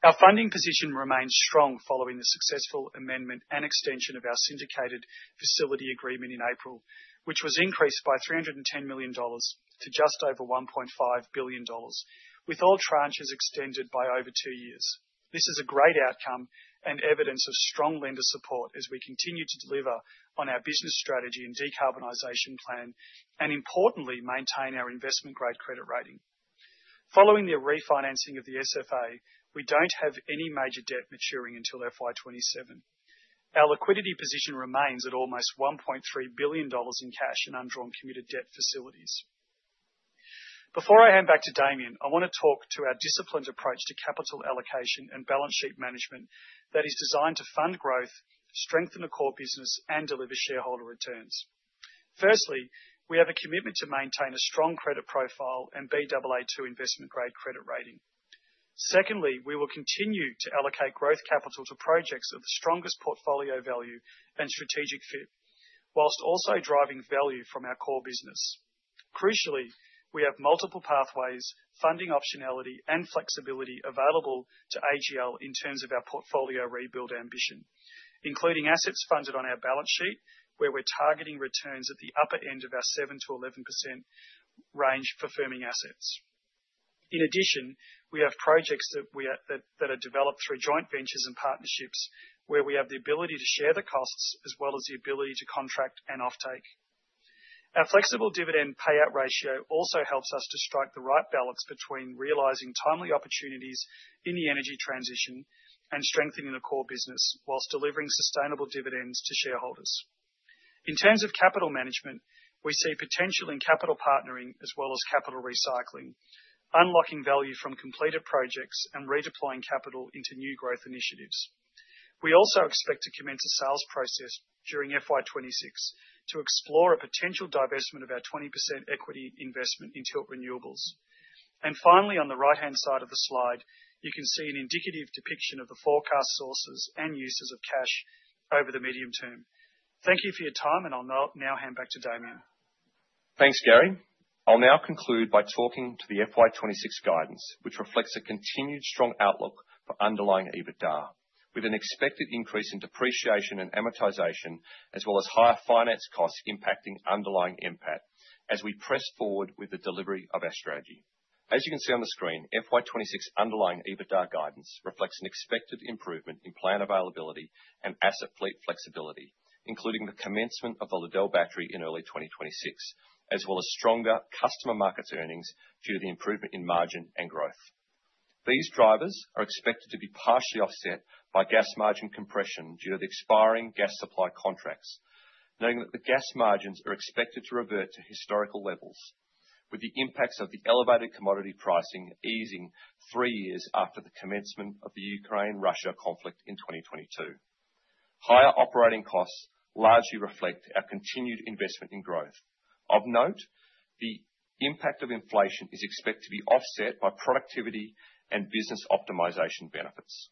Our funding position remains strong following the successful amendment and extension of our syndicated facility agreement in April, which was increased by 310 million dollars to just over 1.5 billion dollars, with all tranches extended by over two years. This is a great outcome and evidence of strong lender support as we continue to deliver on our business strategy and decarbonization plan, and importantly, maintain our investment-grade credit rating. Following the refinancing of the SFA, we don't have any major debt maturing until FY 2027. Our liquidity position remains at almost 1.3 billion dollars in cash and undrawn committed debt facilities. Before I hand back to Damien, I want to talk to our disciplined approach to capital allocation and balance sheet management that is designed to fund growth, strengthen the core business, and deliver shareholder returns. Firstly, we have a commitment to maintain a strong credit profile and Baa2 investment-grade credit rating. Secondly, we will continue to allocate growth capital to projects of the strongest portfolio value and strategic fit, whilst also driving value from our core business. Crucially, we have multiple pathways, funding optionality, and flexibility available AGL in terms of our portfolio rebuild ambition, including assets funded on our balance sheet, where we're targeting returns at the upper end of our 7%-11% range for firming assets. In addition, we have projects that are developed through joint ventures and partnerships, where we have the ability to share the costs as well as the ability to contract and offtake. Our flexible dividend payout ratio also helps us to strike the right balance between realizing timely opportunities in the energy transition and strengthening the core business, whilst delivering sustainable dividends to shareholders. In terms of capital management, we see potential in capital partnering as well as capital recycling, unlocking value from completed projects and redeploying capital into new growth initiatives. We also expect to commence a sales process during FY 2026 to explore a potential divestment of our 20% equity investment in Tilt Renewables. Finally, on the right-hand side of the slide, you can see an indicative depiction of the forecast sources and uses of cash over the medium term. Thank you for your time, and I'll now hand back to Damien. Thanks, Gary. I'll now conclude by talking to the FY 2026 guidance, which reflects a continued strong outlook for underlying EBITDA, with an expected increase in depreciation and amortization, as well as higher finance costs impacting underlying impact as we press forward with the delivery of our strategy. As you can see on the screen, FY 2026 underlying EBITDA guidance reflects an expected improvement in plant availability and asset fleet flexibility, including the commencement of the Liddell battery in early 2026, as well as stronger customer markets earnings due to the improvement in margin and growth. These drivers are expected to be partially offset by gas margin compression due to the expiring gas supply contracts, knowing that the gas margins are expected to revert to historical levels, with the impacts of the elevated commodity pricing easing three years after the commencement of the Ukraine-Russia conflict in 2022. Higher operating costs largely reflect our continued investment in growth. Of note, the impact of inflation is expected to be offset by productivity and business optimization benefits.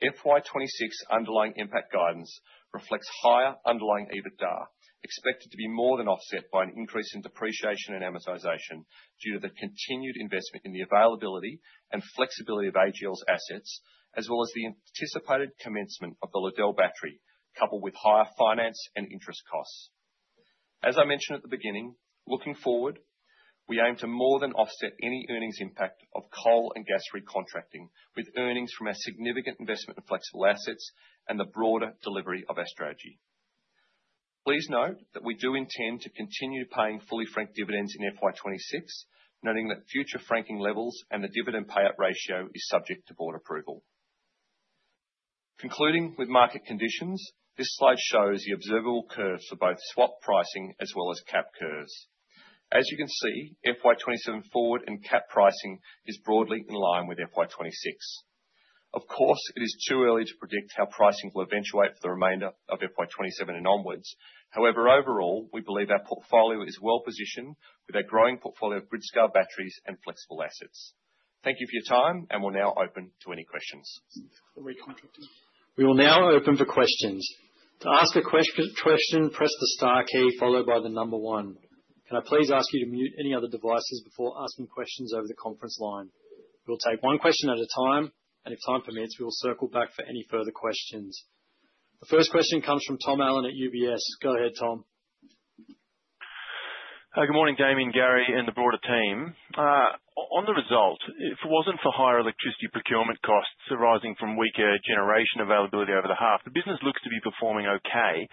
FY 2026 underlying impact guidance reflects higher underlying EBITDA expected to be more than offset by an increase in depreciation and amortization due to the continued investment in the availability and flexibility of AGL's assets, as well as the anticipated commencement of the Liddell battery, coupled with higher finance and interest costs. As I mentioned at the beginning, looking forward, we aim to more than offset any earnings impact of coal and gas recontracting with earnings from our significant investment in flexible assets and the broader delivery of our strategy. Please note that we do intend to continue paying fully franked dividends in FY 2026, noting that future franking levels and the dividend payout ratio are subject to board approval. Concluding with market conditions, this slide shows the observable curves for both swap pricing as well as cap curves. As you can see, FY 2027 forward and cap pricing is broadly in line with FY 2026. Of course, it is too early to predict how pricing will eventuate for the remainder of FY 2027 and onwards. However, overall, we believe our portfolio is well positioned with a growing portfolio of grid-scale batteries and flexible assets. Thank you for your time, and we'll now open to any questions. We will now open for questions. To ask a question, press the star key followed by the number one. Can I please ask you to mute any other devices before asking questions over the conference line? We will take one question at a time, and if time permits, we will circle back for any further questions. The first question comes from Tom Allen at UBS. Go ahead, Tom. Good morning, Damien, Gary, and the broader team. On the result, if it wasn't for higher electricity procurement costs arising from weaker generation availability over the half, the business looks to be performing okay.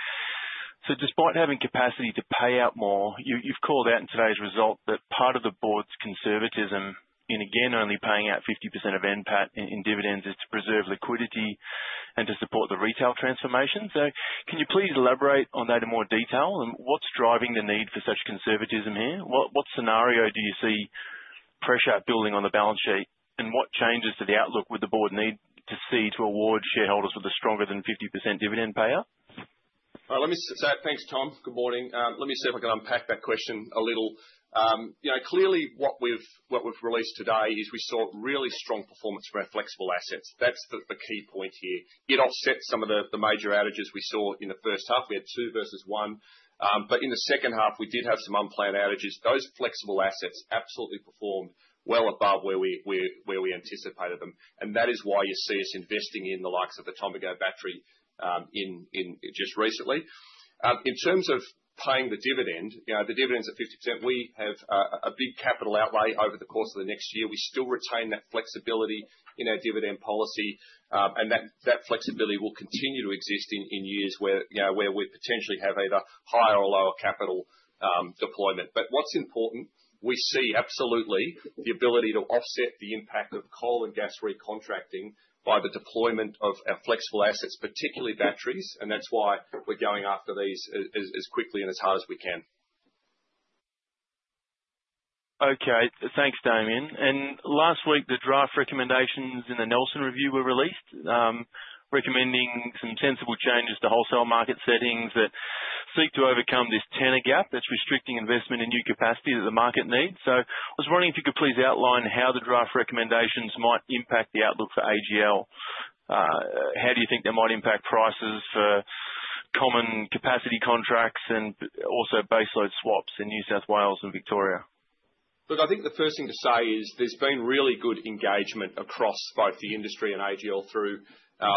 Despite having capacity to pay out more, you've called out in today's result that part of the board's conservatism in again only paying out 50% of NPAT in dividends is to preserve liquidity and to support the retail transformation. Can you please elaborate on that in more detail? What's driving the need for such conservatism here? What scenario do you see pressure building on the balance sheet, and what changes to the outlook would the board need to see to award shareholders with a stronger than 50% dividend payout? Let me say thanks, Tom. Good morning. Let me see if I can unpack that question a little. You know, clearly, what we've released today is we saw really strong performance for our flexible assets. That's the key point here. It offsets some of the major outages we saw in the first half. We had two versus one. In the second half, we did have some unplanned outages. Those flexible assets absolutely performed well above where we anticipated them. That is why you see us investing in the likes of the Tomago battery just recently. In terms of paying the dividend, you know, the dividends are 50%. We have a big capital outlay over the course of the next year. We still retain that flexibility in our dividend policy, and that flexibility will continue to exist in years where we potentially have either higher or lower capital deployment. What's important, we see absolutely the ability to offset the impact of coal and gas recontracting by the deployment of our flexible assets, particularly batteries, and that's why we're going after these as quickly and as hard as we can. Okay, thanks, Damien. Last week, the draft recommendations in the Nelson Review were released, recommending some sensible changes to wholesale market settings that seek to overcome this tenor gap that's restricting investment in new capacity that the market needs. I was wondering if you could please outline how the draft recommendations might impact the outlook for AGL. How do you think they might impact prices for common capacity contracts and also base load swaps in New South Wales and Victoria? Look, I think the first thing to say is there's been really good engagement across both the industry and AGL through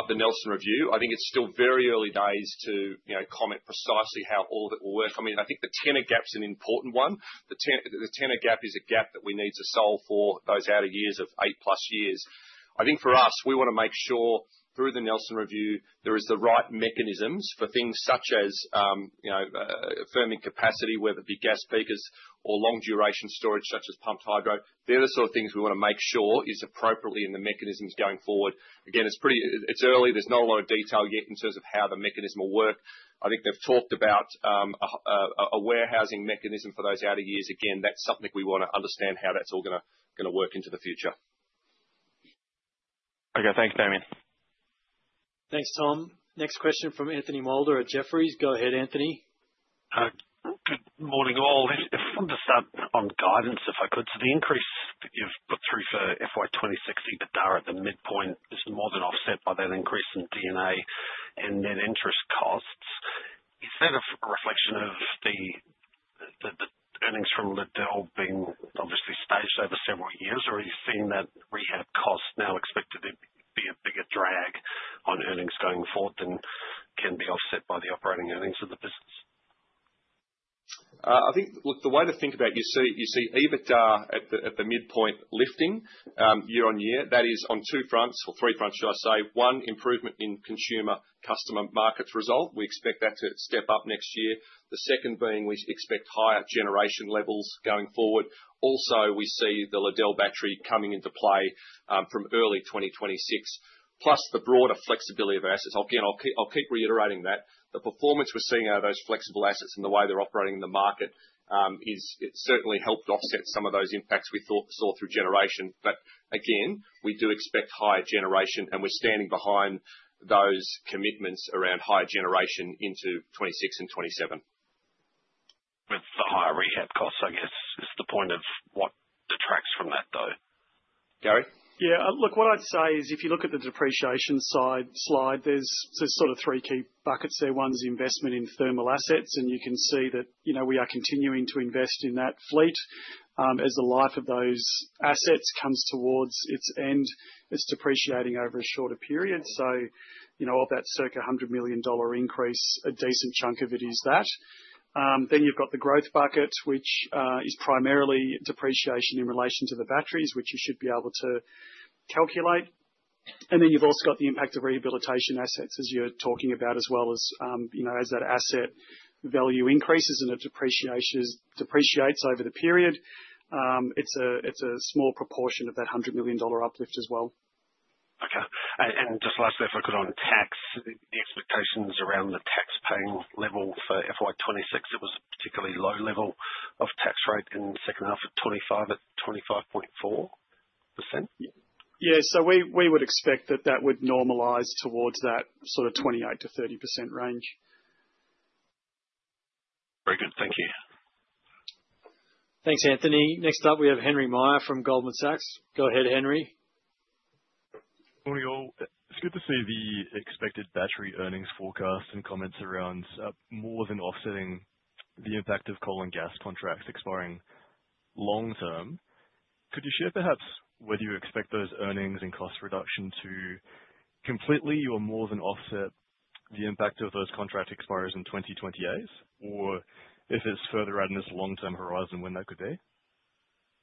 the Nelson Review. I think it's still very early days to comment precisely how all of it will work. I mean, I think the tenor gap's an important one. The tenor gap is a gap that we need to solve for those outer years of eight-plus years. I think for us, we want to make sure through the Nelson Review there are the right mechanisms for things such as, you know, firming capacity, whether it be gas peakers or long-duration storage such as pumped hydro. The other sort of things we want to make sure is appropriately in the mechanisms going forward. Again, it's pretty, it's early. There's not a lot of detail yet in terms of how the mechanism will work. I think they've talked about a warehousing mechanism for those outer years. Again, that's something we want to understand how that's all going to work into the future. Okay, thanks, Damien. Thanks, Tom. Next question from Anthony Moulder at Jefferies. Go ahead, Anthony. Morning all. If I can just add on guidance, if I could. The increase that you've put through for FY 2026 EBITDA at the midpoint is more than offset by that increase in D&A and net interest costs. Is that a reflection of the earnings from Liddell being obviously staged over several years, or are you seeing that rehab cost now expected to be a bigger drag on earnings going forward than can be offset by the operating earnings of the business? I think, look, the way to think about it, you see EBITDA at the midpoint lifting year-on-year. That is on two fronts, or three fronts, should I say. One, improvement in Consumer Customer Markets result. We expect that to step up next year. The second being we expect higher generation levels going forward. Also, we see the Liddell battery coming into play from early 2026, plus the broader flexibility of assets. Again, I'll keep reiterating that. The performance we're seeing out of those flexible assets and the way they're operating in the market is it's certainly helped offset some of those impacts we saw through generation. We do expect higher generation, and we're standing behind those commitments around higher generation into 2026 and 2027. With the higher rehab costs, I guess, is the point of what detracts from that, though. Gary? Yeah, look, what I'd say is if you look at the depreciation slide, there's sort of three key buckets there. One's investment in thermal assets, and you can see that we are continuing to invest in that fleet. As the life of those assets comes towards its end, it's depreciating over a shorter period. Of that circa 100 million dollar increase, a decent chunk of it is that. Then you've got the growth bucket, which is primarily depreciation in relation to the batteries, which you should be able to calculate. You've also got the impact of rehabilitation assets, as you're talking about, as well as, as that asset value increases and it depreciates over the period. It's a small proportion of that 100 million dollar uplift as well. Okay, and just lastly, if I could, on tax, the expectations around the tax paying level for FY 2026, it was a particularly low level of tax rate in the second half at 25%, at 25.4%. Yeah, we would expect that would normalize towards that sort of 28%-30% range. Very good, thank you. Thanks, Anthony. Next up, we have Henry Meyer from Goldman Sachs. Go ahead, Henry. Morning all. It's good to see the expected battery earnings forecasts and comments around more than offsetting the impact of coal and gas contracts expiring long term. Could you share perhaps whether you expect those earnings and cost reduction to completely or more than offset the impact of those contract expires in 2028? Or if it's further out in this long-term horizon, when that could be?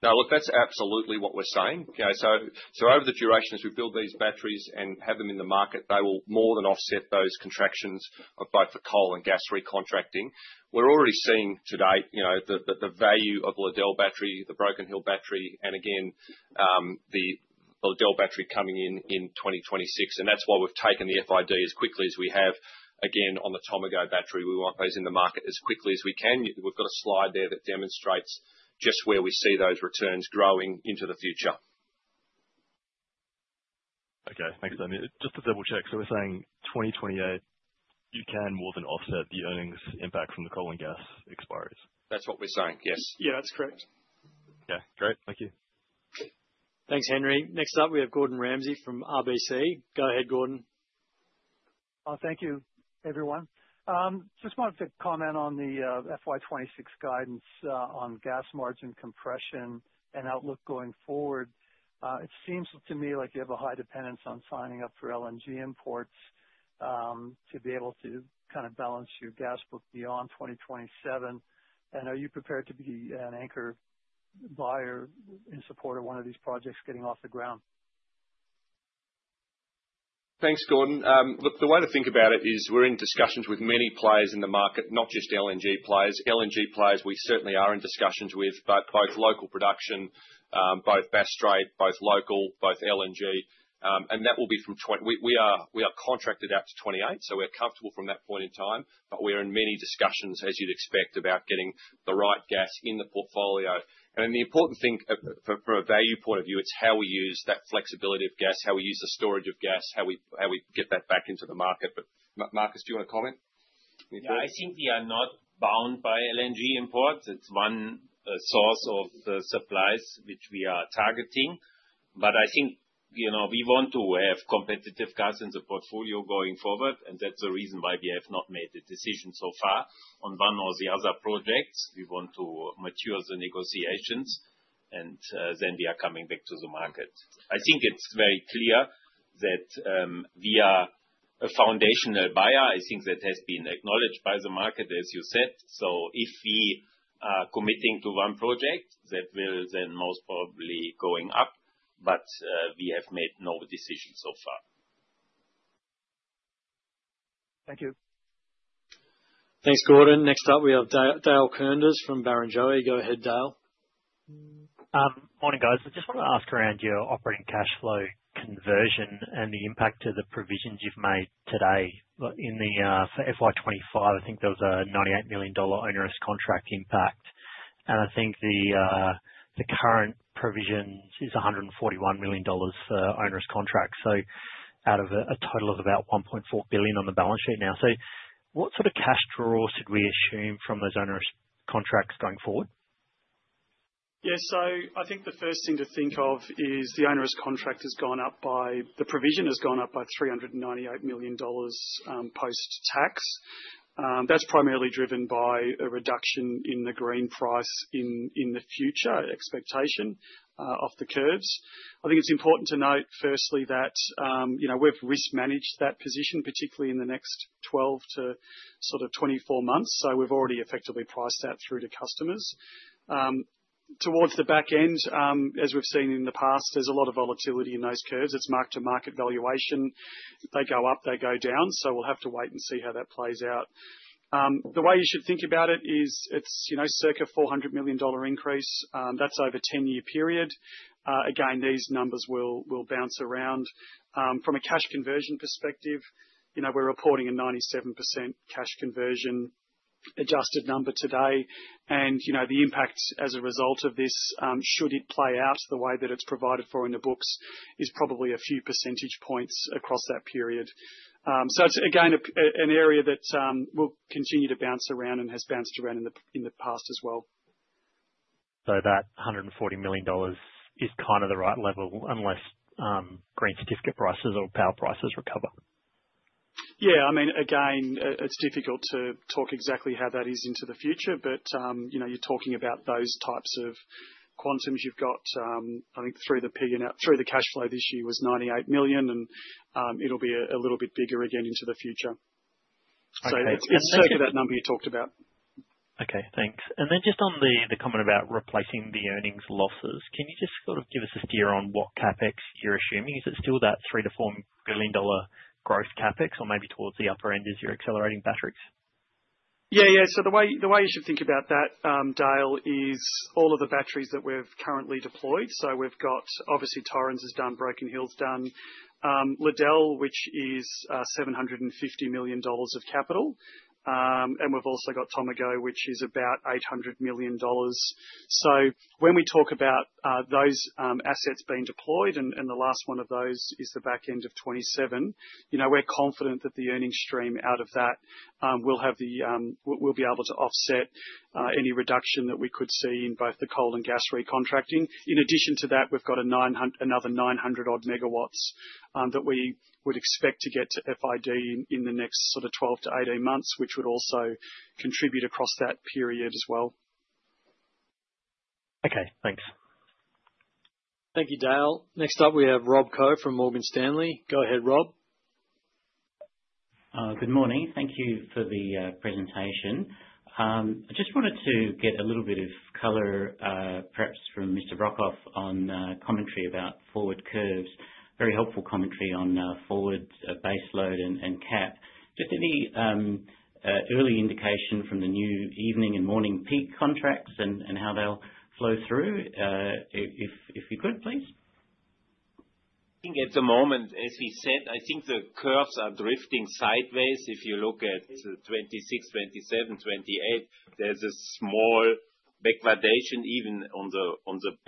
No, look, that's absolutely what we're saying. Over the duration as we build these batteries and have them in the market, they will more than offset those contractions of both the coal and gas recontracting. We're already seeing today the value of the Liddell battery, the Broken Hill battery, and again the Liddell battery coming in in 2026. That's why we've taken the FID as quickly as we have. Again, on the Tomago battery, we want those in the market as quickly as we can. We've got a slide there that demonstrates just where we see those returns growing into the future. Okay, thanks, Damien. Just to double-check, so we're saying 2028, you can more than offset the earnings impact from the coal and gas expires. That's what we're saying, yes. Yeah, that's correct. Okay, great, thank you. Thanks, Henry. Next up, we have Gordon Ramsay from RBC. Go ahead, Gordon. Thank you, everyone. Just wanted to comment on the FY 2026 guidance on gas margin compression and outlook going forward. It seems to me like you have a high dependence on signing up for LNG imports to be able to kind of balance your gas book beyond 2027. Are you prepared to be an anchor buyer in support of one of these projects getting off the ground? Thanks, Gordon. Look, the way to think about it is we're in discussions with many players in the market, not just LNG players. LNG players, we certainly are in discussions with both local production, both best trade, both local, both LNG. That will be from 2020, we are contracted out to 2028, so we're comfortable from that point in time. We're in many discussions, as you'd expect, about getting the right gas in the portfolio. The important thing from a value point of view is how we use that flexibility of gas, how we use the storage of gas, how we get that back into the market. Markus, do you want to comment? I think we are not bound by LNG imports. It's one source of the supplies which we are targeting. I think we want to have competitive gas in the portfolio going forward, and that's the reason why we have not made a decision so far on one or the other projects. We want to mature the negotiations, and then we are coming back to the market. I think it's very clear that we are a foundational buyer. I think that has been acknowledged by the market, as you said. If we are committing to one project, that will then most probably go up, but we have made no decision so far. Thank you. Thanks, Gordon. Next up, we have Dale Koenders from Barrenjoey. Go ahead, Dale. Morning, guys. I just want to ask around your operating cash flow conversion and the impact to the provisions you've made today. In the FY 2025, I think there was a 98 million dollar onerous contract impact. I think the current provisions is 141 million dollars for onerous contracts, out of a total of about 1.4 billion on the balance sheet now. What sort of cash draw should we assume from those onerous contracts going forward? Yeah, I think the first thing to think of is the onerous contract provision has gone up by 398 million dollars post-tax. That's primarily driven by a reduction in the green price in the future expectation off the curves. I think it's important to note firstly that we've risk managed that position, particularly in the next 12 months to sort of 24 months. We've already effectively priced that through to customers. Towards the back end, as we've seen in the past, there's a lot of volatility in those curves. It's marked to market valuation. They go up, they go down. We'll have to wait and see how that plays out. The way you should think about it is it's circa 400 million dollar increase. That's over a 10-year period. Again, these numbers will bounce around. From a cash conversion perspective, we're reporting a 97% cash conversion adjusted number today. The impact as a result of this, should it play out the way that it's provided for in the books, is probably a few percentage points across that period. It's, again, an area that will continue to bounce around and has bounced around in the past as well. That 140 million dollars is kind of the right level unless green certificate prices or power prices recover? Yeah, I mean, again, it's difficult to talk exactly how that is into the future, but you know, you're talking about those types of quantums you've got. I think through the P&L, through the cash flow this year was 98 million, and it'll be a little bit bigger again into the future. It's circa that number you talked about. Okay, thanks. Just on the comment about replacing the earnings losses, can you just sort of give us a steer on what CapEx you're assuming? Is it still that 3 billion-4 billion dollar growth CapEx, or maybe towards the upper end as you're accelerating batteries? Yeah, the way you should think about that, Dale, is all of the batteries that we've currently deployed. We've got obviously Torrens is done, Broken Hill's done, Liddell, which is 750 million dollars of capital, and we've also got Tomago, which is about 800 million dollars. When we talk about those assets being deployed, and the last one of those is the back end of 2027, we're confident that the earnings stream out of that will be able to offset any reduction that we could see in both the coal and gas recontracting. In addition to that, we've got another 900-odd MW that we would expect to get to FID in the next 12 months-18 months, which would also contribute across that period as well. Okay, thanks. Thank you, Dale. Next up, we have Rob Coe from Morgan Stanley. Go ahead, Rob. Good morning. Thank you for the presentation. I just wanted to get a little bit of color, perhaps from Mr. Brokhof, on commentary about forward curves. Very helpful commentary on forward base load and cap. Just any early indication from the new evening and morning peak contracts and how they'll flow through? If you could, please. I think at the moment, as you said, I think the curves are drifting sideways. If you look at 2026, 2027, 2028, there's a small backwardation even on the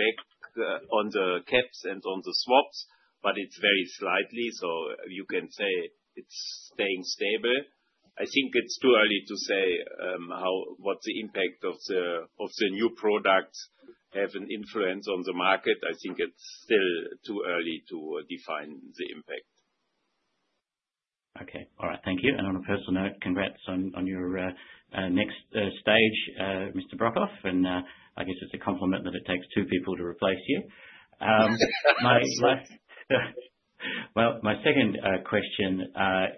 caps and on the swaps, but it's very slight. You can say it's staying stable. I think it's too early to say what the impact of the new products have on the market. I think it's still too early to define the impact. Okay, all right, thank you. On a personal note, congrats on your next stage, Mr. Brokhof. I guess it's a compliment that it takes two people to replace you. My second question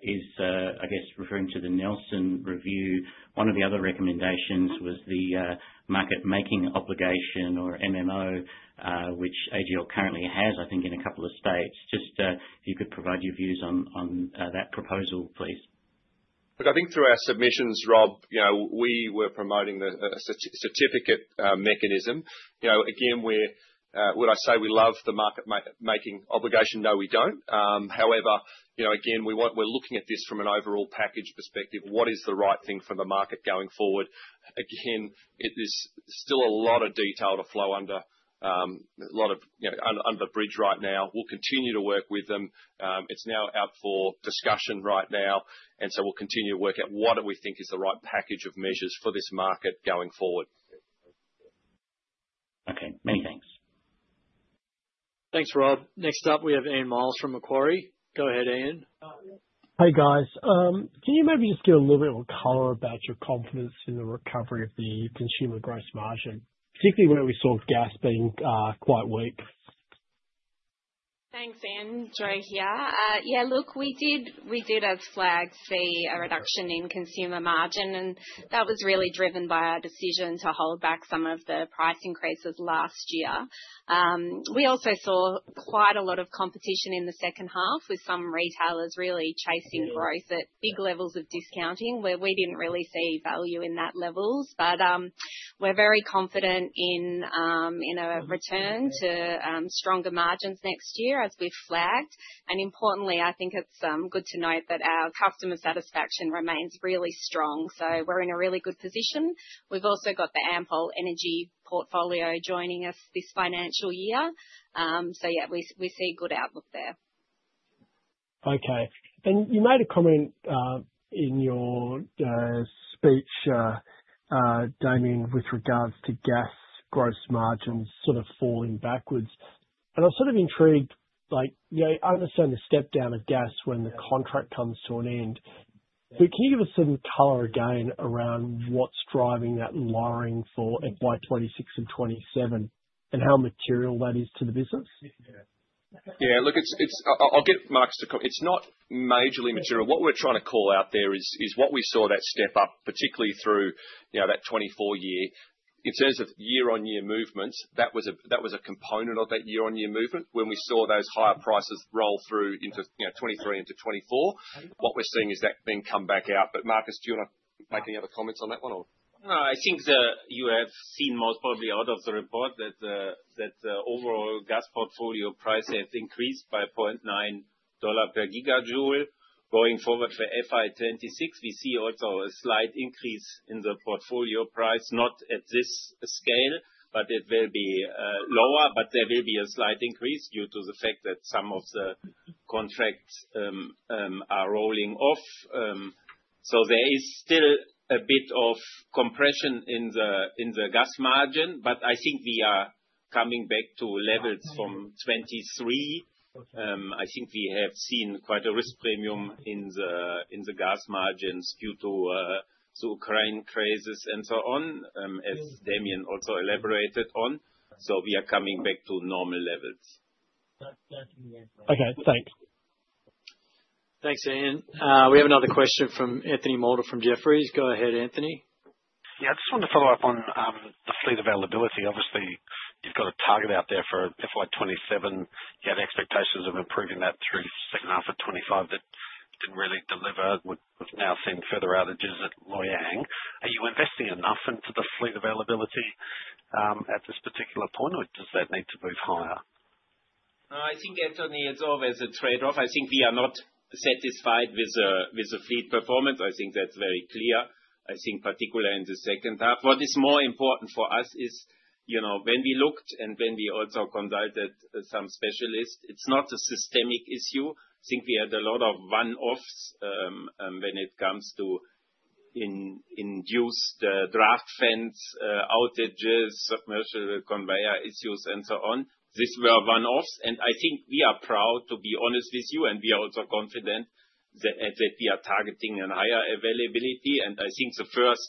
is, I guess, referring to the Nelson Review. One of the other recommendations was the market making obligation or MMO, which AGL currently has, I think, in a couple of states. Just if you could provide your views on that proposal, please. Look, I think through our submissions, Rob, we were promoting a certificate mechanism. Would I say we love the market making obligation? No, we don't. However, we want, we're looking at this from an overall package perspective. What is the right thing for the market going forward? There's still a lot of detail to flow under, a lot of, you know, under the bridge right now. We'll continue to work with them. It's now out for discussion right now, and we'll continue to work out what we think is the right package of measures for this market going forward. Okay, many thanks. Thanks, Rob. Next up, we have Ian Myles from Macquarie. Go ahead, Ian. Hey, guys. Can you maybe just give a little bit of color about your confidence in the recovery of the consumer gross margin, particularly where we saw gas being quite weak? Thanks, Ian. Jo here. We did, as flagged, see a reduction in consumer margin, and that was really driven by our decision to hold back some of the price increases last year. We also saw quite a lot of competition in the second half with some retailers really chasing growth at big levels of discounting where we didn't really see value in that level. We're very confident in a return to stronger margins next year as we've flagged. Importantly, I think it's good to note that our customer satisfaction remains really strong. We're in a really good position. We've also got the Ampol Energy portfolio joining us this financial year. We see a good outlook there. Okay. You made a comment in your speech, Damien, with regards to gas gross margins sort of falling backwards. I'm sort of intrigued, like, you know, I understand the step down of gas when the contract comes to an end. Can you give us some color again around what's driving that line for FY 2026 to FY 2027 and how material that is to the business? Yeah, look, I'll give Markus the comment. It's not majorly material. What we're trying to call out there is what we saw, that step up, particularly through, you know, that 2024 year. In terms of year-on-year movements, that was a component of that year-on-year movement when we saw those higher prices roll through into 2023 and into 2024. What we're seeing is that thing come back out. Markus, do you want to make any other comments on that one? No, I think you have seen most probably out of the report that the overall gas portfolio price has increased by 0.9 dollar per gigajoule. Going forward for FY 2026, we see also a slight increase in the portfolio price, not at this scale, but it will be lower. There will be a slight increase due to the fact that some of the contracts are rolling off. There is still a bit of compression in the gas margin, but I think we are coming back to levels from 2023. I think we have seen quite a risk premium in the gas margins due to the Ukraine crisis and so on, as Damien also elaborated on. We are coming back to normal levels. Okay, thanks. Thanks, Ian. We have another question from Anthony Moulder from Jefferies. Go ahead, Anthony. Yeah, I just wanted to follow up on the fleet availability. Obviously, you've got a target out there for FY 2027. You had expectations of improving that through the second half of 2025 that didn't really deliver. We've now seen further outages at Loy Yang. Are you investing enough into the fleet availability at this particular point, or does that need to move higher? I think, Anthony, it's always a trade-off. I think we are not satisfied with the fleet performance. I think that's very clear, particularly in the second half. What is more important for us is, you know, when we looked and when we also consulted some specialists, it's not a systemic issue. We had a lot of one-offs when it comes to induced draft fence outages, commercial conveyor issues, and so on. These were one-offs. I think we are proud, to be honest with you, and we are also confident that we are targeting a higher availability. The first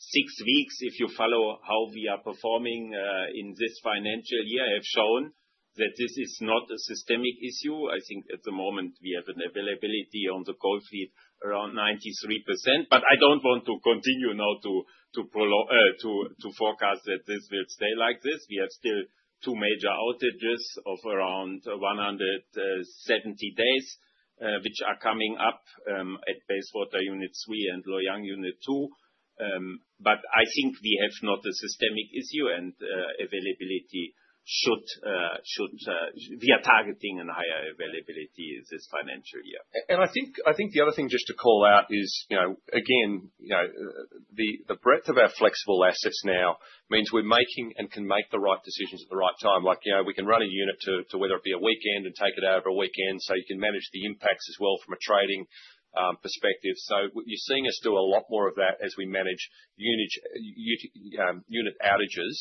six weeks, if you follow how we are performing in this financial year, have shown that this is not a systemic issue. At the moment we have an availability on the coal fleet around 93%. I don't want to continue now to forecast that this will stay like this. We have still two major outages of around 170 days, which are coming up at Bayswater Unit 3 and Loy Yang Unit 2. I think we have not a systemic issue, and availability should, we are targeting a higher availability this financial year. I think the other thing just to call out is, you know, again, the breadth of our flexible assets now means we're making and can make the right decisions at the right time. For example, we can run a unit whether it be a weekend and take it out over a weekend. You can manage the impacts as well from a trading perspective. You're seeing us do a lot more of that as we manage unit outages.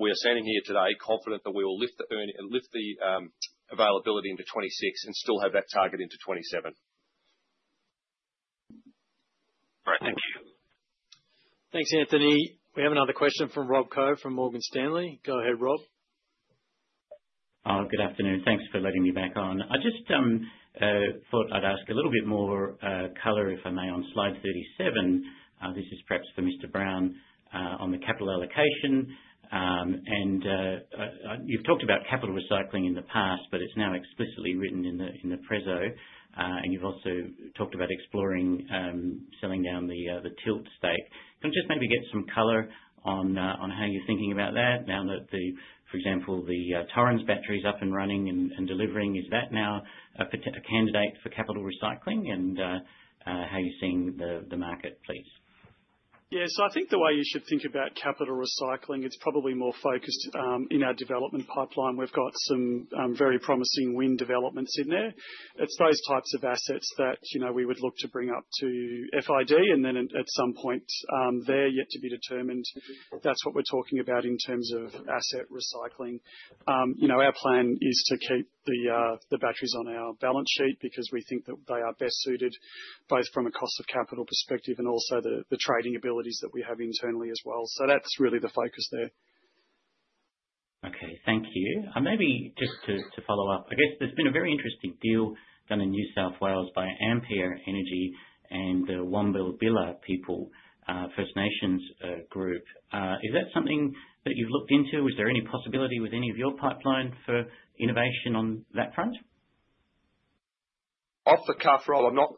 We are standing here today confident that we will lift the earning and lift the availability into 2026 and still have that target into 2027. Thank you. Thanks, Anthony. We have another question from Rob Coe from Morgan Stanley. Go ahead, Rob. Oh, good afternoon. Thanks for letting me back on. I just thought I'd ask a little bit more color, if I may, on slide 37. This is perhaps for Mr. Brown on the capital allocation. You've talked about capital recycling in the past, but it's now explicitly written in the Preso. You've also talked about exploring selling down the Tilt Renewables stake. Can we just maybe get some color on how you're thinking about that? Now that, for example, the Torrens battery is up and running and delivering, is that now a candidate for capital recycling? How are you seeing the market, please? Yeah, I think the way you should think about capital recycling is probably more focused in our development pipeline. We've got some very promising wind developments in there. It's those types of assets that we would look to bring up to FID, and then at some point there, yet to be determined if that's what we're talking about in terms of asset recycling. Our plan is to keep the batteries on our balance sheet because we think that they are best suited, both from a cost of capital perspective and also the trading abilities that we have internally as well. That's really the focus there. Okay, thank you. Maybe just to follow up, I guess there's been a very interesting deal done in New South Wales by Ampere Energy and the Wanbillbilla people, First Nations group. Is that something that you've looked into? Was there any possibility with any of your pipeline for innovation on that front? I'm not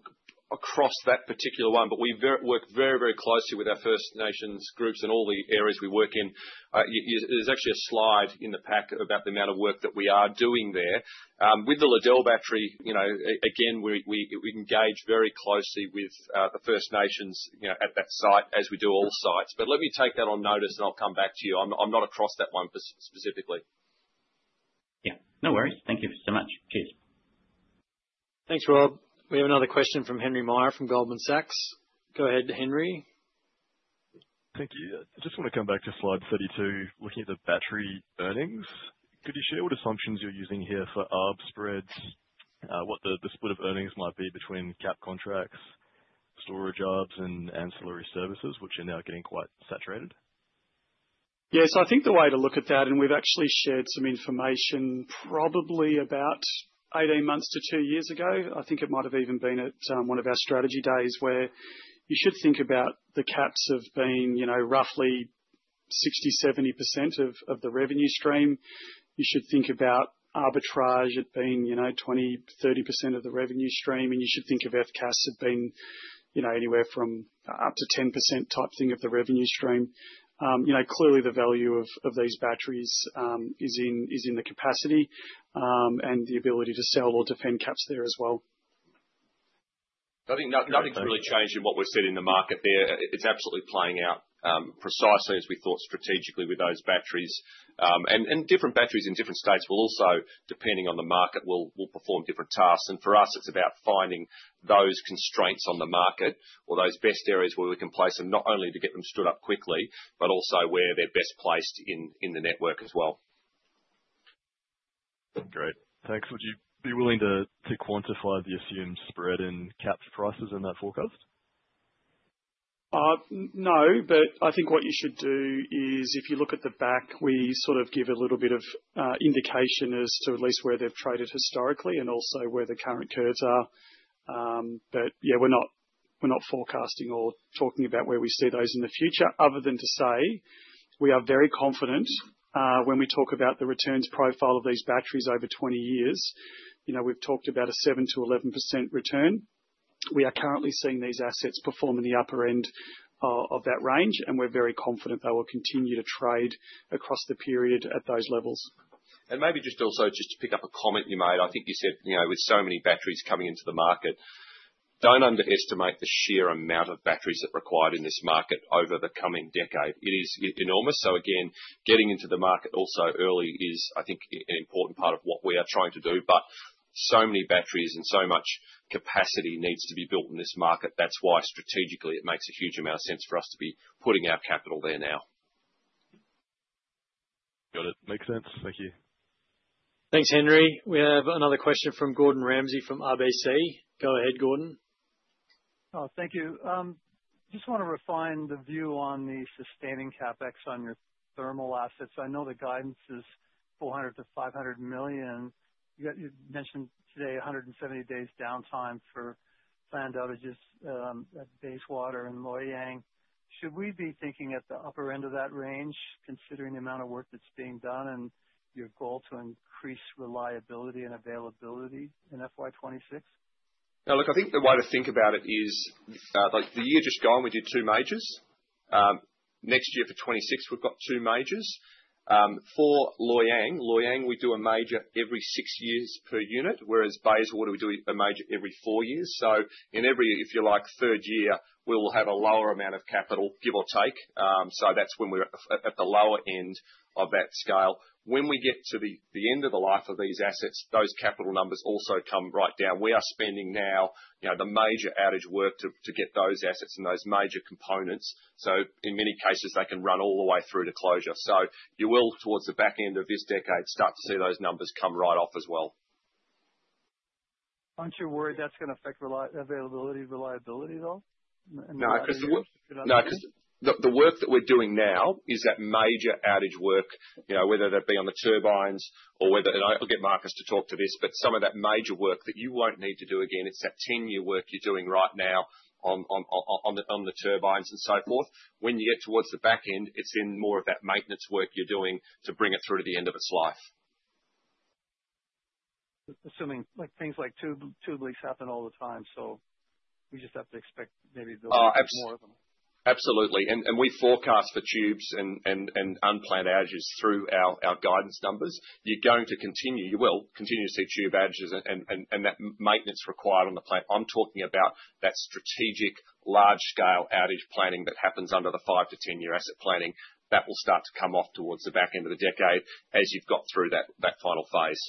across that particular one, but we've worked very, very closely with our First Nations groups in all the areas we work in. There's actually a slide in the pack about the amount of work that we are doing there. With the Liddell battery, you know, again, we engage very closely with the First Nations at that site, as we do all sites. Let me take that on notice and I'll come back to you. I'm not across that one specifically. Yeah, no worries. Thank you so much. Please. Thanks, Rob. We have another question from Henry Meyer from Goldman Sachs. Go ahead, Henry. Thank you. I just want to come back to slide 32, looking at the battery earnings. Could you share what assumptions you're using here for ARB spreads? What the split of earnings might be between cap contracts, storage ARBs, and ancillary services, which are now getting quite saturated? Yeah, I think the way to look at that, and we've actually shared some information probably about 18 months to two years ago, I think it might have even been at one of our strategy days where you should think about the caps as being, you know, roughly 60%-70% of the revenue stream. You should think about arbitrage as being, you know, 20%-30% of the revenue stream, and you should think of FCAS as being, you know, anywhere from up to 10% type thing of the revenue stream. Clearly, the value of these batteries is in the capacity and the ability to sell or defend caps there as well. I think nothing's really changed in what we're seeing in the market there. It's absolutely playing out precisely as we thought strategically with those batteries. Different batteries in different states will also, depending on the market, perform different tasks. For us, it's about finding those constraints on the market or those best areas where we can place them, not only to get them stood up quickly, but also where they're best placed in the network as well. That's great. Thanks. Would you be willing to quantify the assumed spread in caps prices in that forecast? No, I think what you should do is if you look at the back, we sort of give a little bit of indication as to at least where they've traded historically and also where the current curves are. We're not forecasting or talking about where we see those in the future, other than to say we are very confident when we talk about the returns profile of these batteries over 20 years. We've talked about a 7%-11% return. We are currently seeing these assets perform in the upper end of that range, and we're very confident they will continue to trade across the period at those levels. Maybe just also to pick up a comment you made, I think you said, you know, with so many batteries coming into the market, don't underestimate the sheer amount of batteries that are required in this market over the coming decade. It is enormous. Getting into the market also early is, I think, an important part of what we are trying to do. So many batteries and so much capacity needs to be built in this market. That's why strategically it makes a huge amount of sense for us to be putting our capital there now. Got it. Makes sense. Thank you. Thanks, Henry. We have another question from Gordon Ramsay from RBC. Go ahead, Gordon. Thank you. I just want to refine the view on the sustaining CapEx on your thermal assets. I know the guidance is 400-500 million. You mentioned today 170 days downtime for planned outages at Bayswater and Loy Yang. Should we be thinking at the upper end of that range considering the amount of work that's being done and your goal to increase reliability and availability in FY 2026? Now look, I think the way to think about it is like the year just gone we did two majors. Next year for 2026, we've got two majors. For Loy Yang, Loy Yang we do a major every six years per unit, whereas Bayswater we do a major every four years. In every, if you like, third year, we will have a lower amount of capital, give or take. That's when we're at the lower end of that scale. When we get to the end of the life of these assets, those capital numbers also come right down. We are spending now the major outage work to get those assets and those major components, so in many cases, they can run all the way through to closure. You will, towards the back end of this decade, start to see those numbers come right off as well. Aren't you worried that's going to affect availability and reliability, though? No, because the work that we're doing now is that major outage work, whether that be on the turbines or whether, and I'll get Markus to talk to this, but some of that major work that you won't need to do again, it's that 10-year work you're doing right now on the turbines and so forth. When you get towards the back end, it's in more of that maintenance work you're doing to bring it through to the end of its life. Assuming things like tube leaks happen all the time, we just have to expect maybe a bit more of them. Absolutely. We forecast for tubes and unplanned outages through our guidance numbers. You're going to continue, you will continue to see tube outages and that maintenance required on the plant. I'm talking about that strategic large-scale outage planning that happens under the five to 10-year asset planning. That will start to come off towards the back end of the decade as you've got through that final phase.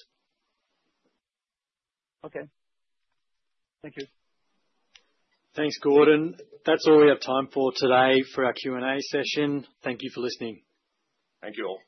Okay, thank you. Thanks, Gordon. That's all we have time for today for our Q&A session. Thank you for listening. Thank you all.